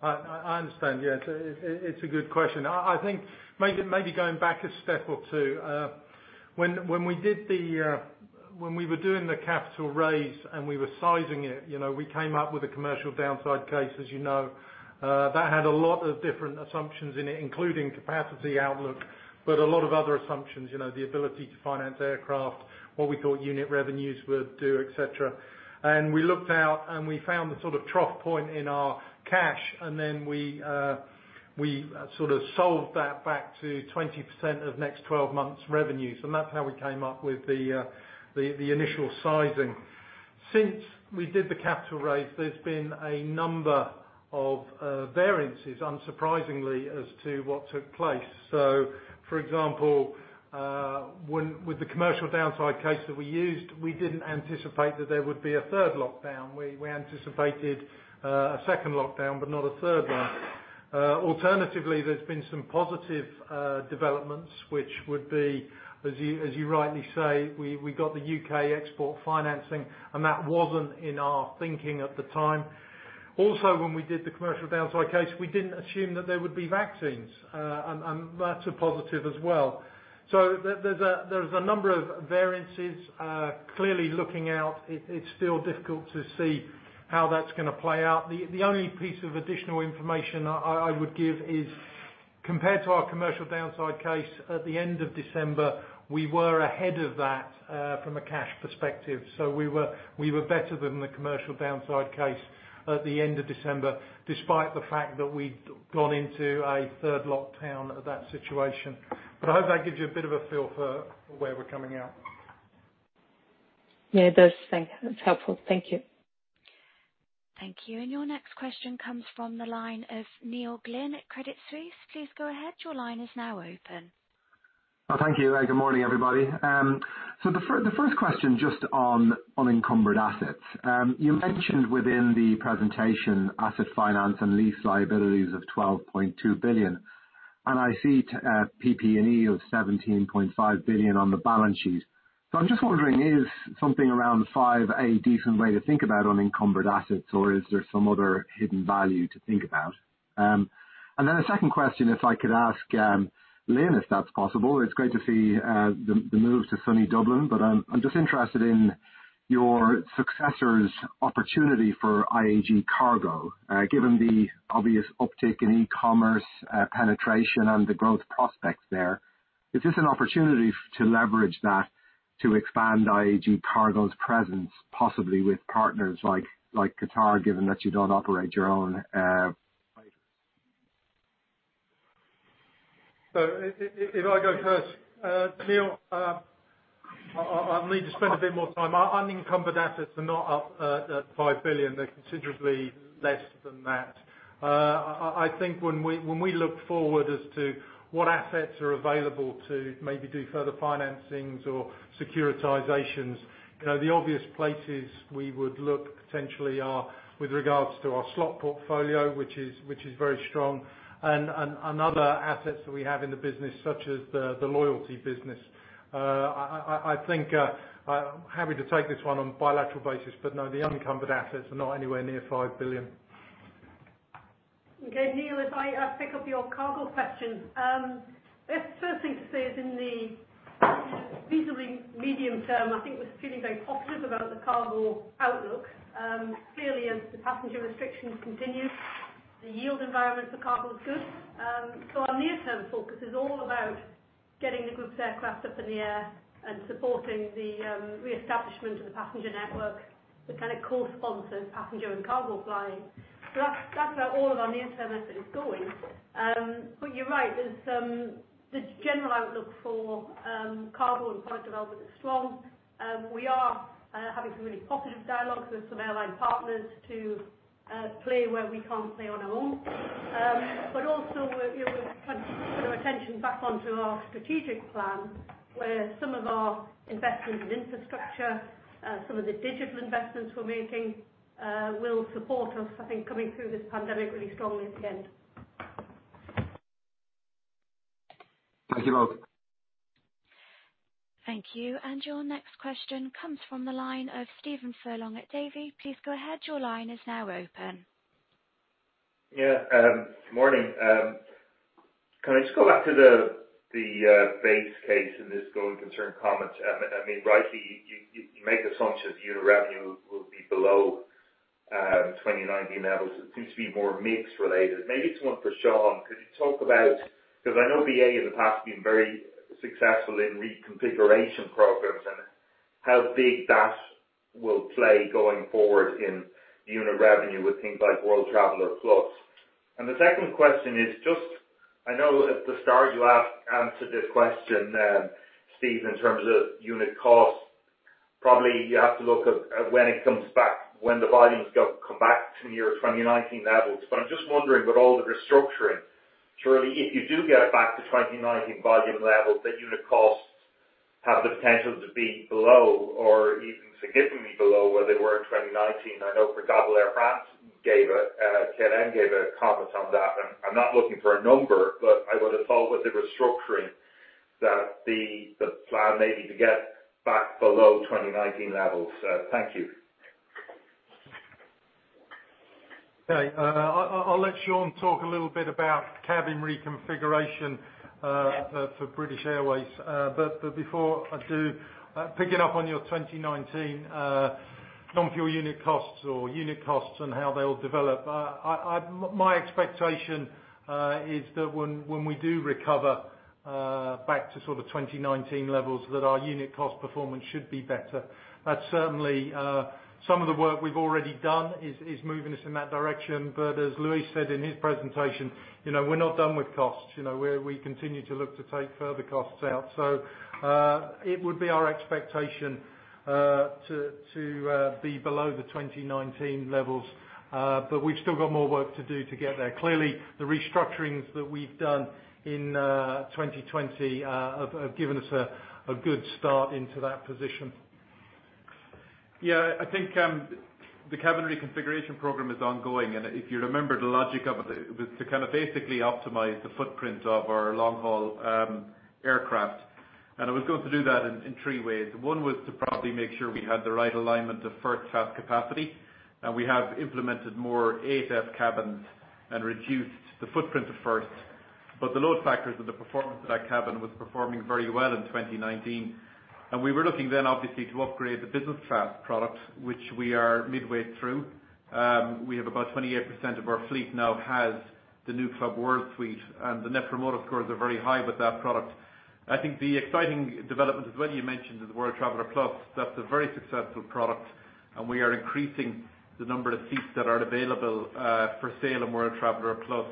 I understand. Yeah. It's a good question. I think maybe going back a step or two. When we were doing the capital raise and we were sizing it, we came up with a commercial downside case, as you know. That had a lot of different assumptions in it, including capacity outlook, but a lot of other assumptions. The ability to finance aircraft, what we thought unit revenues would do, et cetera. We looked out and we found the sort of trough point in our cash. Then we sort of sold that back to 20% of next 12 months revenues. That's how we came up with the initial sizing. Since we did the capital raise, there's been a number of variances, unsurprisingly, as to what took place. For example, with the commercial downside case that we used, we didn't anticipate that there would be a third lockdown. We anticipated a second lockdown, but not a third one. Alternatively, there's been some positive developments, which would be, as you rightly say, we got the U.K. export financing. That wasn't in our thinking at the time. When we did the commercial downside case, we didn't assume that there would be vaccines. That's a positive as well. There's a number of variances. Clearly looking out, it's still difficult to see how that's going to play out. The only piece of additional information I would give is compared to our commercial downside case at the end of December, we were ahead of that, from a cash perspective. We were better than the commercial downside case at the end of December, despite the fact that we'd gone into a third lockdown at that situation. I hope that gives you a bit of a feel for where we're coming out. Yeah, it does. Thanks. That's helpful. Thank you. Thank you. Your next question comes from the line of Neil Glynn at Credit Suisse. Please go ahead. Thank you. Good morning, everybody. The first question, just on unencumbered assets. You mentioned within the presentation, asset finance and lease liabilities of 12.2 billion, and I see PP&E of $17.5 billion on the balance sheet. I'm just wondering, is something around five a decent way to think about unencumbered assets, or is there some other hidden value to think about? A second question, if I could ask Lynne, if that's possible. It's great to see the move to sunny Dublin, I'm just interested in your successor's opportunity for IAG Cargo. Given the obvious uptick in e-commerce penetration and the growth prospects there, is this an opportunity to leverage that to expand IAG Cargo's presence, possibly with partners like Qatar, given that you don't operate your own? If I go first. Glynn, I will need to spend a bit more time. Our unencumbered assets are not up at 5 billion. They are considerably less than that. I think when we look forward as to what assets are available to maybe do further financings or securitizations, the obvious places we would look potentially are with regards to our slot portfolio, which is very strong. Other assets that we have in the business, such as the loyalty business. I am happy to take this one on a bilateral basis, but no, the unencumbered assets are not anywhere near 5 billion. Okay, Neil, if I pick up your cargo question. First thing to say is in the reasonably medium-term, I think we're feeling very positive about the cargo outlook. Clearly, as the passenger restrictions continue, the yield environment for cargo is good. Our near-term focus is all about getting the group's aircraft up in the air and supporting the reestablishment of the passenger network, the kind of core sponsors, passenger and cargo flying. That's where all of our near-term effort is going. You're right, the general outlook for cargo and product development is strong. We are having some really positive dialogues with some airline partners to play where we can't play on our own. Also, we're trying to keep our attention back onto our strategic plan, where some of our investments in infrastructure, some of the digital investments we're making, will support us, I think, coming through this pandemic really strongly at the end. Thank you both. Thank you. Your next question comes from the line of Stephen Furlong at Davy. Please go ahead. Yeah, morning. Can I just go back to the base case and this going concern comments? Rightly, you make the assumption unit revenue will be below 2019 levels. It seems to be more mixed related. Maybe it's one for Sean, could you talk about, because I know BA in the past has been very successful in reconfiguration programs, and how big that will play going forward in unit revenue with things like World Traveller Plus. The second question is just, I know at the start you answered this question, Stephen, in terms of unit costs, probably you have to look at when it comes back, when the volumes come back to near 2019 levels. I'm just wondering, with all the restructuring, surely if you do get it back to 2019 volume levels, the unit costs have the potential to be below or even significantly below where they were in 2019. I know for a fact Air France, Gunning. gave a comment on that, and I'm not looking for a number, but I would have thought with the restructuring that the plan may be to get back below 2019 levels. Thank you. Okay. I'll let Sean talk a little bit about cabin reconfiguration for British Airways. Before I do, picking up on your 2019 non-fuel unit costs or unit costs and how they will develop. My expectation is that when we do recover back to sort of 2019 levels, that our unit cost performance should be better. Certainly, some of the work we've already done is moving us in that direction. As Luis said in his presentation, we're not done with costs. We continue to look to take further costs out. It would be our expectation to be below the 2019 levels. We've still got more work to do to get there. Clearly, the restructurings that we've done in 2020 have given us a good start into that position. Yeah, I think the cabin reconfiguration program is ongoing, if you remember the logic of it, was to kind of basically optimize the footprint of our long-haul aircraft. It was going to do that in three ways. One was to properly make sure we had the right alignment of first class capacity, we have implemented more A350 cabins and reduced the footprint at first. The load factors of the performance of that cabin was performing very well in 2019. We were looking then obviously to upgrade the business class product, which we are midway through. We have about 28% of our fleet now has the new Club World Suite, the Net Promoter Scores are very high with that product. I think the exciting development as well you mentioned is the World Traveller Plus. That's a very successful product, and we are increasing the number of seats that are available for sale on World Traveller Plus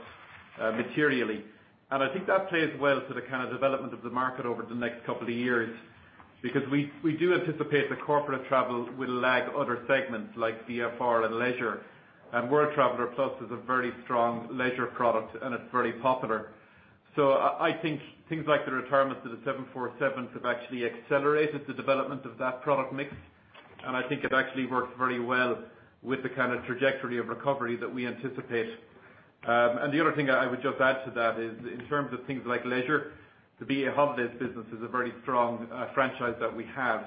materially. I think that plays well to the kind of development of the market over the next couple of years, because we do anticipate the corporate travel will lag other segments like VFR and leisure. World Traveller Plus is a very strong leisure product, and it's very popular. I think things like the retirement to the 747 have actually accelerated the development of that product mix, and I think it actually works very well with the kind of trajectory of recovery that we anticipate. The other thing I would just add to that is in terms of things like leisure, the BA Holidays business is a very strong franchise that we have,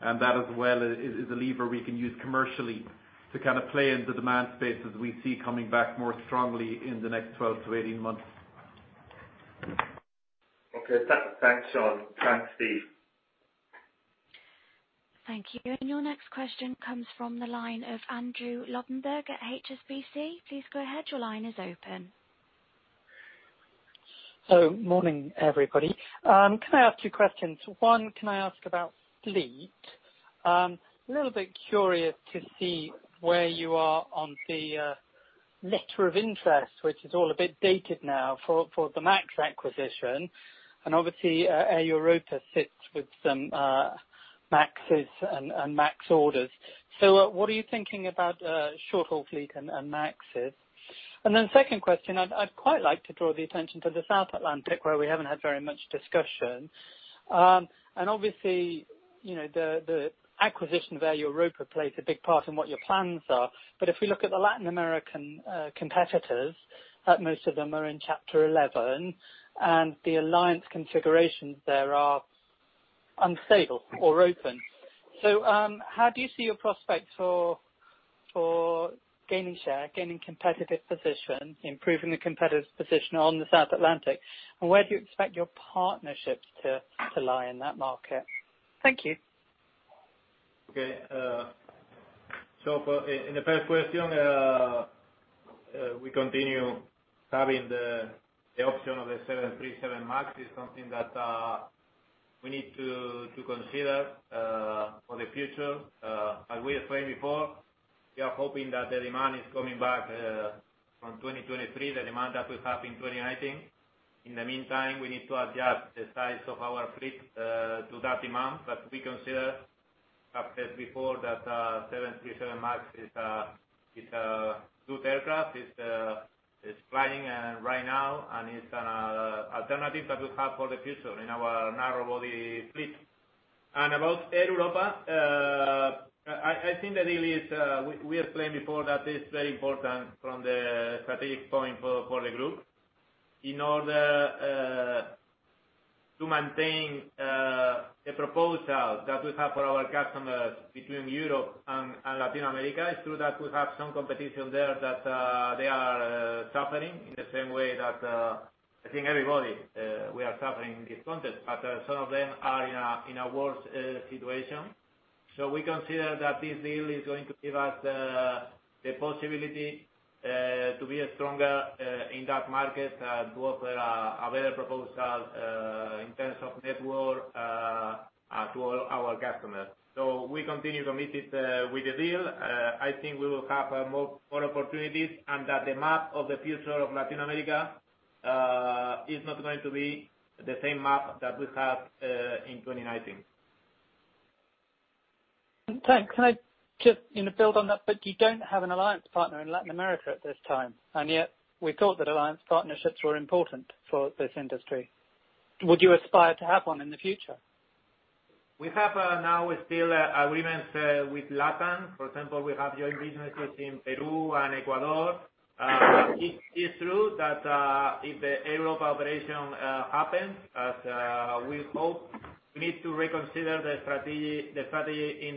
and that as well is a lever we can use commercially to play in the demand spaces we see coming back more strongly in the next 12 to 18 months. Okay. Thanks, Sean. Thanks, Steve. Thank you. Your next question comes from the line of Andrew Lobbenberg at HSBC. Please go ahead. Your line is open. Morning, everybody. Can I ask two questions? One, can I ask about fleet? A little bit curious to see where you are on the letter of interest, which is all a bit dated now, for the MAX acquisition. Obviously, Air Europa sits with some MAXes and MAX orders. What are you thinking about short-haul fleet and MAXes? Second question, I'd quite like to draw the attention to the South Atlantic, where we haven't had very much discussion. Obviously, the acquisition of Air Europa plays a big part in what your plans are. If we look at the Latin American competitors, most of them are in Chapter 11, and the alliance configurations there are unstable or open. How do you see your prospects for gaining share, gaining competitive position, improving the competitive position on the South Atlantic? Where do you expect your partnerships to lie in that market? Thank you. Okay. In the first question, we continue having the option of the 737 MAX is something that we need to consider for the future. As we explained before, we are hoping that the demand is coming back from 2023, the demand that we have in 2019. In the meantime, we need to adjust the size of our fleet to that demand. We consider, I've said before, that 737 MAX is a good aircraft. It's flying right now, it's an alternative that we have for the future in our narrow-body fleet. About Air Europa, I think the deal is, we explained before that is very important from the strategic point for the group in order to maintain a proposal that we have for our customers between Europe and Latin America. It's true that we have some competition there that they are suffering in the same way that I think everybody, we are suffering in this context, but some of them are in a worse situation. We consider that this deal is going to give us the possibility to be stronger in that market, to offer a better proposal in terms of network to all our customers. We continue committed with the deal. I think we will have more opportunities and that the map of the future of Latin America is not going to be the same map that we have in 2019. Thanks. Can I just build on that? You don't have an alliance partner in Latin America at this time, and yet we're told that alliance partnerships are important for this industry. Would you aspire to have one in the future? We have now still agreements with LATAM. For example, we have joint businesses in Peru and Ecuador. It is true that if the Air Europa operation happens, as we hope, we need to reconsider the strategy in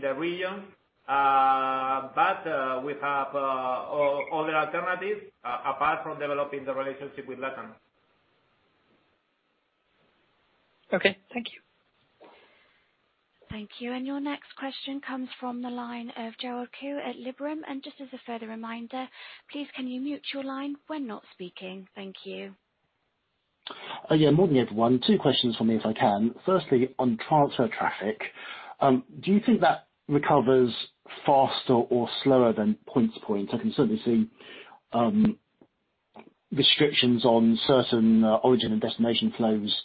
the region. We have other alternatives apart from developing the relationship with LATAM. Okay. Thank you. Thank you. Your next question comes from the line of Gerald Khoo at Liberum. Just as a further reminder, please can you mute your line when not speaking? Thank you. Yeah. Morning, everyone. Two questions from me, if I can. Firstly, on transfer traffic, do you think that recovers faster or slower than point to point? I can certainly see restrictions on certain origin and destination flows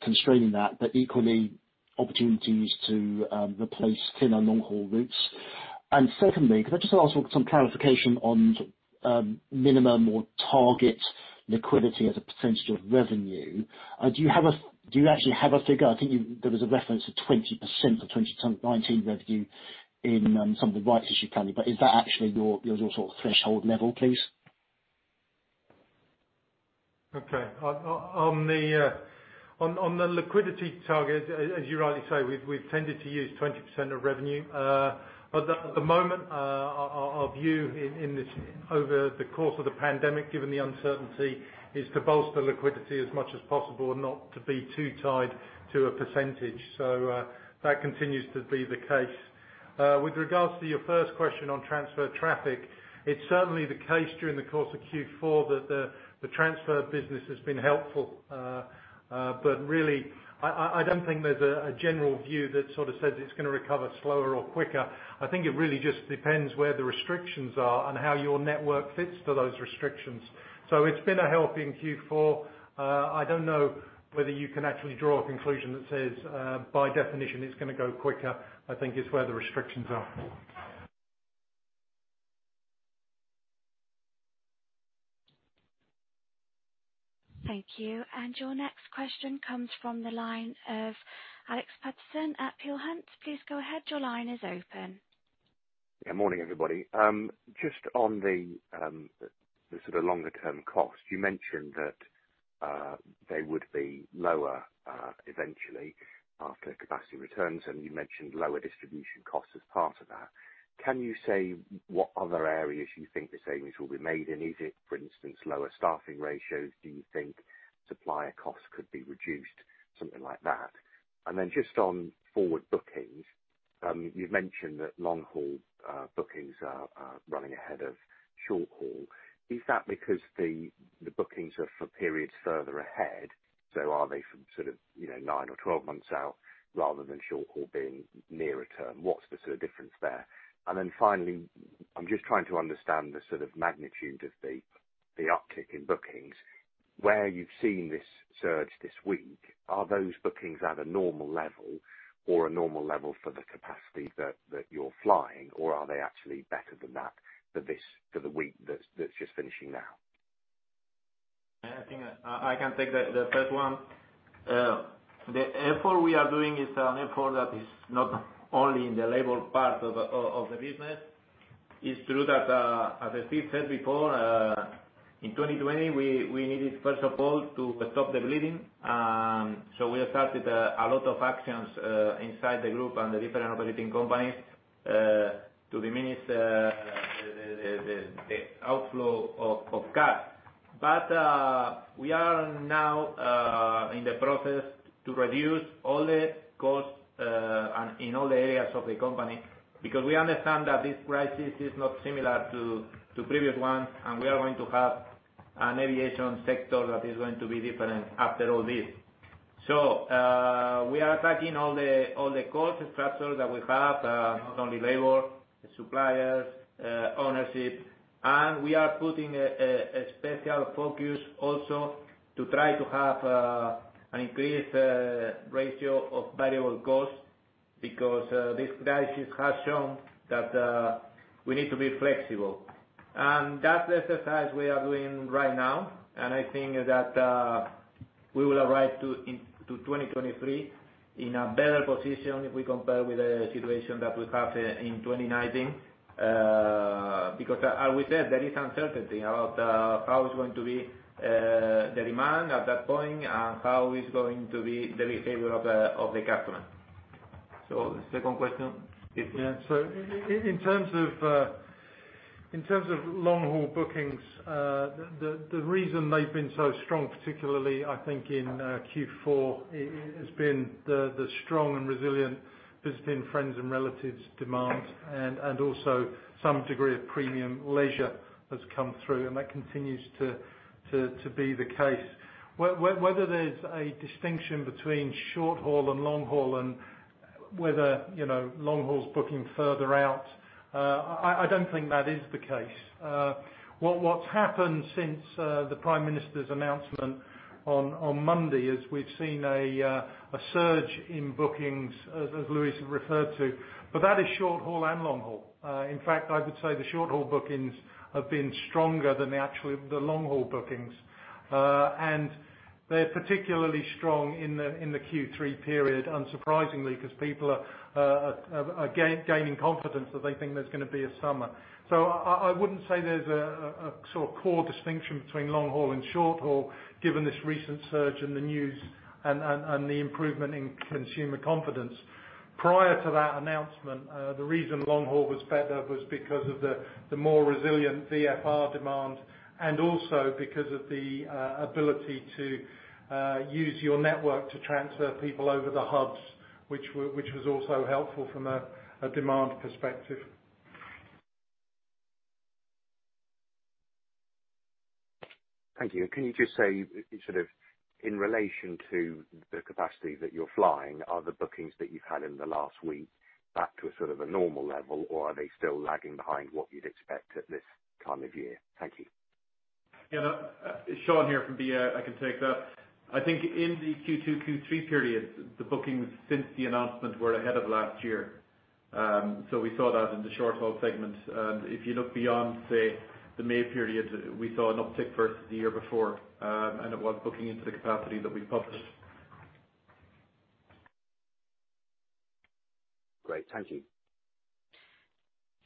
constraining that, but equally opportunities to replace thinner long-haul routes. Secondly, could I just ask for some clarification on minimum or target liquidity as a percent of revenue? Do you actually have a figure? I think there was a reference to 20% of 2019 revenue in some of the rights issue planning, but is that actually your threshold level, please? Okay. On the liquidity target, as you rightly say, we've tended to use 20% of revenue. At the moment, our view over the course of the pandemic, given the uncertainty, is to bolster liquidity as much as possible and not to be too tied to a percentage. That continues to be the case. With regards to your first question on transfer traffic, it's certainly the case during the course of Q4 that the transfer business has been helpful. Really, I don't think there's a general view that sort of says it's going to recover slower or quicker. I think it really just depends where the restrictions are and how your network fits to those restrictions. It's been a help in Q4. I don't know whether you can actually draw a conclusion that says, by definition, it's going to go quicker. I think it's where the restrictions are. Thank you. Your next question comes from the line of Alex Paterson at Peel Hunt. Please go ahead. Yeah. Morning, everybody. Just on the sort of longer-term cost, you mentioned that they would be lower eventually after capacity returns, and you mentioned lower distribution costs as part of that. Can you say what other areas you think the savings will be made in? Is it, for instance, lower staffing ratios? Do you think supplier costs could be reduced, something like that? Just on forward bookings. You've mentioned that long-haul bookings are running ahead of short-haul. Is that because the bookings are for periods further ahead, so are they from nine or 12 months out, rather than short-haul being nearer term? What's the sort of difference there? Finally, I'm just trying to understand the magnitude of the uptick in bookings. Where you've seen this surge this week, are those bookings at a normal level, or a normal level for the capacity that you're flying, or are they actually better than that for the week that's just finishing now? I think I can take the first one. The effort we are doing is an effort that is not only in the labor part of the business. It is true that, as Steve said before, in 2020, we needed, first of all, to stop the bleeding. We started a lot of actions inside the group and the different operating companies to diminish the outflow of cash. We are now in the process to reduce all the costs in all areas of the company, because we understand that this crisis is not similar to previous ones, and we are going to have an aviation sector that is going to be different after all this. We are attacking all the cost structures that we have, not only labor, suppliers, ownership. We are putting a special focus also to try to have an increased ratio of variable costs because this crisis has shown that we need to be flexible. That's the exercise we are doing right now. I think that we will arrive to 2023 in a better position if we compare with the situation that we have in 2019. As we said, there is uncertainty about how it's going to be the demand at that point and how is going to be the behavior of the customer. The second question, Steve? In terms of long-haul bookings, the reason they've been so strong, particularly, I think, in Q4, has been the strong and resilient Visiting Friends and Relatives demand. Also, some degree of premium leisure has come through, and that continues to be the case. Whether there's a distinction between short-haul and long-haul, and whether long-haul's booking further out, I don't think that is the case. What's happened since the Prime Minister's announcement on Monday, is we've seen a surge in bookings, as Luis referred to, but that is short-haul and long-haul. In fact, I would say the short-haul bookings have been stronger than the long-haul bookings. They're particularly strong in the Q3 period, unsurprisingly, because people are gaining confidence that they think there's going to be a summer. I wouldn't say there's a core distinction between long-haul and short-haul, given this recent surge in the news and the improvement in consumer confidence. Prior to that announcement, the reason long-haul was better was because of the more resilient VFR demand, and also because of the ability to use your network to transfer people over the hubs, which was also helpful from a demand perspective. Thank you. Can you just say, in relation to the capacity that you're flying, are the bookings that you've had in the last week back to a normal level, or are they still lagging behind what you'd expect at this time of year? Thank you. Yeah. Sean here from BA. I can take that. I think in the Q2, Q3 periods, the bookings since the announcement were ahead of last year. We saw that in the short-haul segment. If you look beyond, say, the May period, we saw an uptick versus the year before, and it was booking into the capacity that we published. Great. Thank you.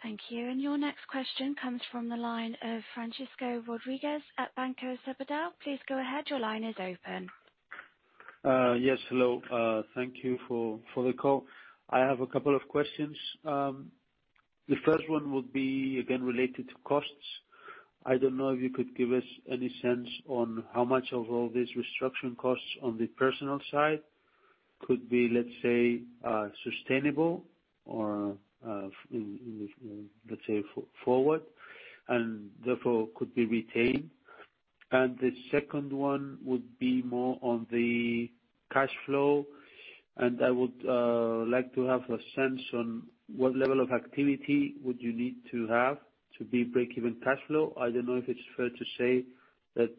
Thank you. Your next question comes from the line of Francisco Rodriguez at Banco Sabadell. Please go ahead, your line is open. Yes. Hello, thank you for the call. I have a couple of questions. The first one would be, again, related to costs. I don't know if you could give us any sense on how much of all this restructuring costs on the personal side could be, let's say, sustainable or, let's say, forward, and therefore could be retained? The second one would be more on the cash flow. I would like to have a sense on what level of activity would you need to have to be break-even cash flow? I don't know if it's fair to say that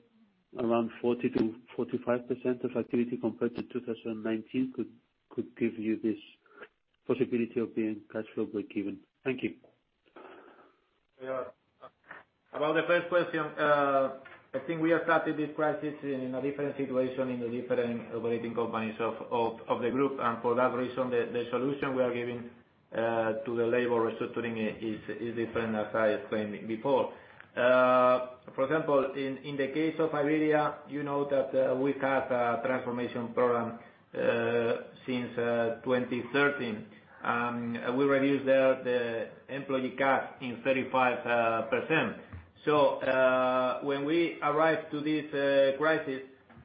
around 40%-45% of activity compared to 2019 could give you this possibility of being cash flow break-even. Thank you. About the first question, I think we attracted this crisis in a different situation, in the different operating companies of the group. For that reason, the solution we are giving to the labor restructuring is different as I explained before. For example, in the case of Iberia, you know that we've had a transformation program since 2013. We reduced the employee cost in 35%. Arrived to this crisis,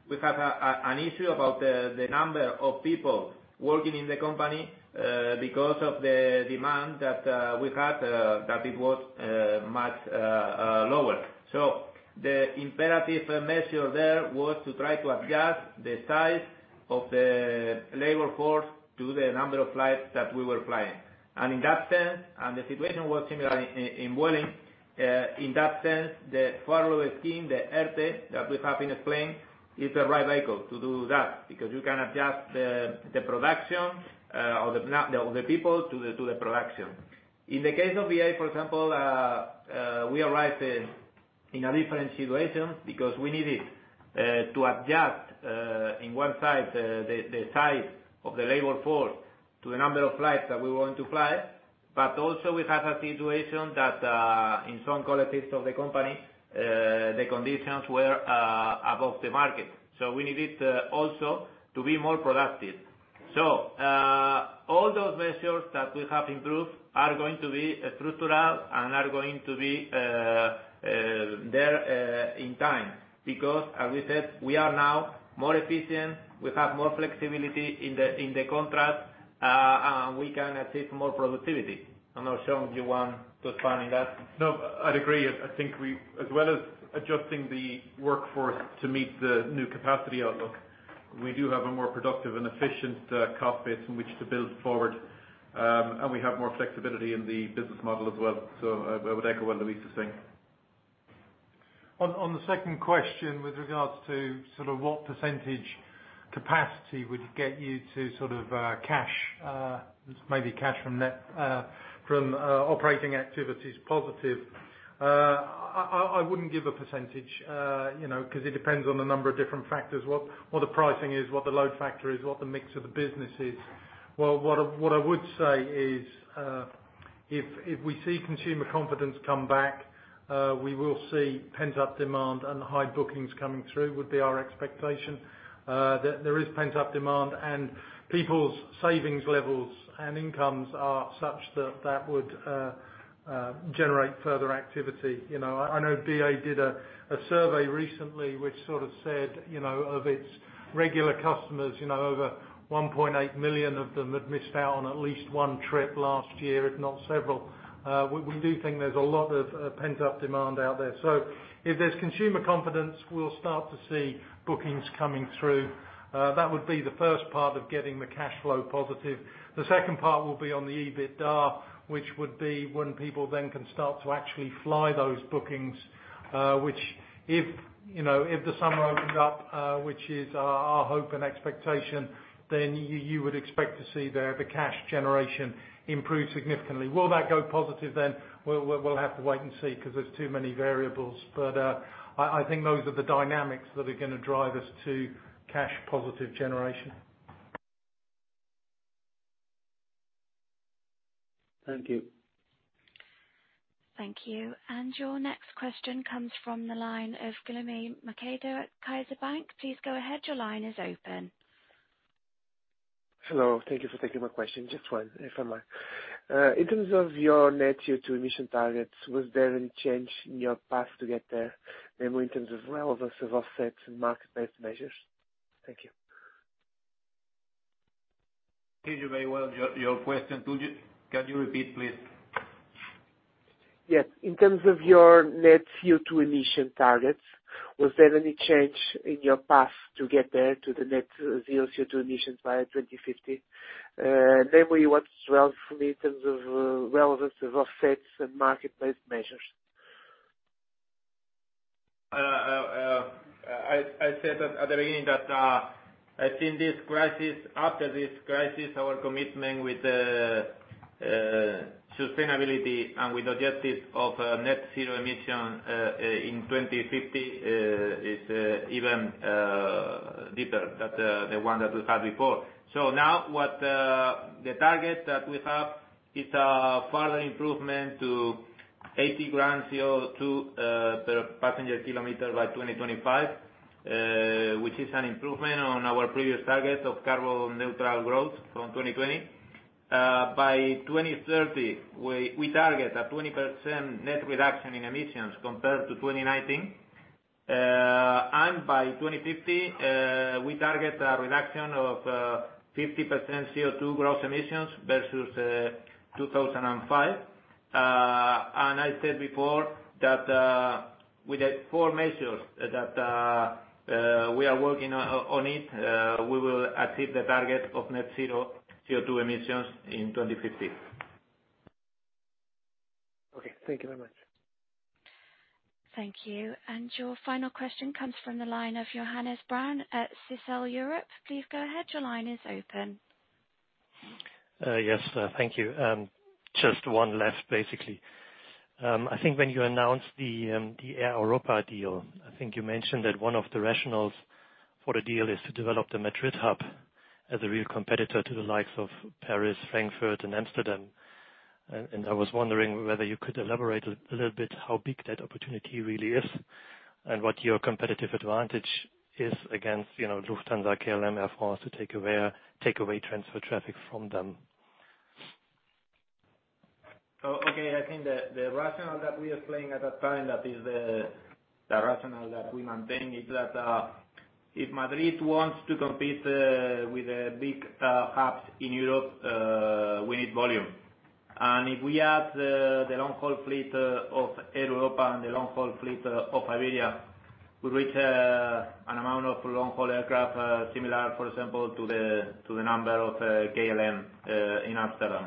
we had an issue about the number of people working in the company, because of the demand that we had, that it was much lower. The imperative measure there was to try to adjust the size of the labor force to the number of flights that we were flying. In that sense, and the situation was similar in Vueling, in that sense, the furlough scheme, the ERTE, that we have been explaining, is the right vehicle to do that, because you can adjust the production or the people to the production. In the case of BA, for example, we arrived in a different situation because we needed to adjust, in one side, the size of the labor force to the number of flights that we want to fly. Also we have a situation that, in some collectives of the company, the conditions were above the market. We needed also to be more productive. All those measures that we have improved are going to be structural and are going to be there in time because, as we said, we are now more efficient. We have more flexibility in the contracts, and we can achieve more productivity. I'm not sure if you want to expand on that. No, I'd agree. I think as well as adjusting the workforce to meet the new capacity outlook, we do have a more productive and efficient cost base in which to build forward. We have more flexibility in the business model as well. I would echo what Luis is saying. On the second question, with regards to what percentage capacity would get you to maybe cash from operating activities positive, I wouldn't give a percentage, because it depends on a number of different factors. What the pricing is, what the load factor is, what the mix of the business is. What I would say is, if we see consumer confidence come back, we will see pent-up demand and high bookings coming through, would be our expectation. There is pent-up demand and people's savings levels and incomes are such that that would generate further activity. I know BA did a survey recently, which sort of said, of its regular customers, over 1.8 million of them had missed out on at least one trip last year, if not several. We do think there's a lot of pent-up demand out there. If there's consumer confidence, we'll start to see bookings coming through. That would be the first part of getting the cash flow positive. The second part will be on the EBITDA, which would be when people then can start to actually fly those bookings. Which if the summer opens up, which is our hope and expectation, then you would expect to see the cash generation improve significantly. Will that go positive then? We'll have to wait and see, because there's too many variables. I think those are the dynamics that are going to drive us to cash positive generation. Thank you. Thank you. Your next question comes from the line of Guilherme Macedo at CaixaBank. Please go ahead. Your line is open. Hello. Thank you for taking my question. Just one, if I might. In terms of your net CO2 emission targets, was there any change in your path to get there, maybe in terms of relevance of offsets and market-based measures? Thank you. I hear you very well. Your question, can you repeat, please? Yes. In terms of your net CO2 emission targets, was there any change in your path to get there to the net zero CO2 emissions by 2050? We want relevance in terms of relevance of offsets and market-based measures. I said at the beginning that I think after this crisis, our commitment with sustainability and with the objective of net zero emission in 2050 is even deeper than the one that we had before. Now, the target that we have is a further improvement to 80 gram CO2 per passenger kilometer by 2025, which is an improvement on our previous target of carbon neutral growth from 2020. By 2030, we target a 20% net reduction in emissions compared to 2019. By 2050, we target a reduction of 50% CO2 gross emissions versus 2005. I said before that with the four measures that we are working on it, we will achieve the target of net zero CO2 emissions in 2050. Okay. Thank you very much. Thank you. Your final question comes from the line of Johannes Braun at Stifel Europe. Please go ahead. Your line is open. Yes. Thank you. Just one last, basically. I think when you announced the Air Europa deal, I think you mentioned that one of the rationales for the deal is to develop the Madrid hub as a real competitor to the likes of Paris, Frankfurt, and Amsterdam. I was wondering whether you could elaborate a little bit how big that opportunity really is, and what your competitive advantage is against Lufthansa, KLM, Air France to take away transfer traffic from them. Okay. I think the rationale that we explained at that time, that is the rationale that we maintain, is that if Madrid wants to compete with big hubs in Europe, we need volume. If we add the long-haul fleet of Air Europa and the long-haul fleet of Iberia, we reach an amount of long-haul aircraft, similar, for example, to the number of KLM in Amsterdam.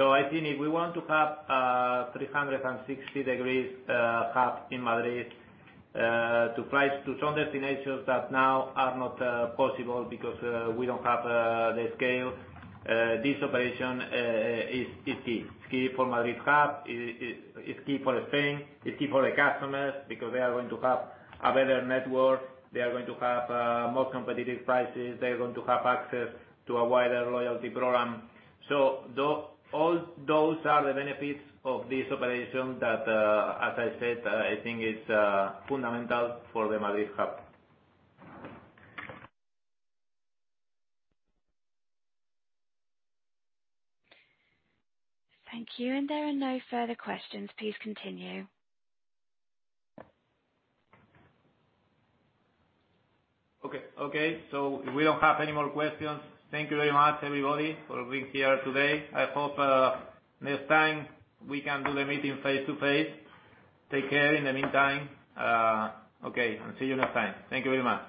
I think if we want to have a 360-degrees hub in Madrid, to fly to some destinations that now are not possible because we don't have the scale, this operation is key. It's key for Madrid hub, it's key for Spain, it's key for the customers, because they are going to have a better network. They are going to have more competitive prices. They are going to have access to a wider loyalty program. All those are the benefits of this operation that, as I said, I think is fundamental for the Madrid hub. Thank you. There are no further questions. Please continue. Okay. If we don't have any more questions, thank you very much, everybody, for being here today. I hope next time we can do the meeting face-to-face. Take care in the meantime. See you next time. Thank you very much.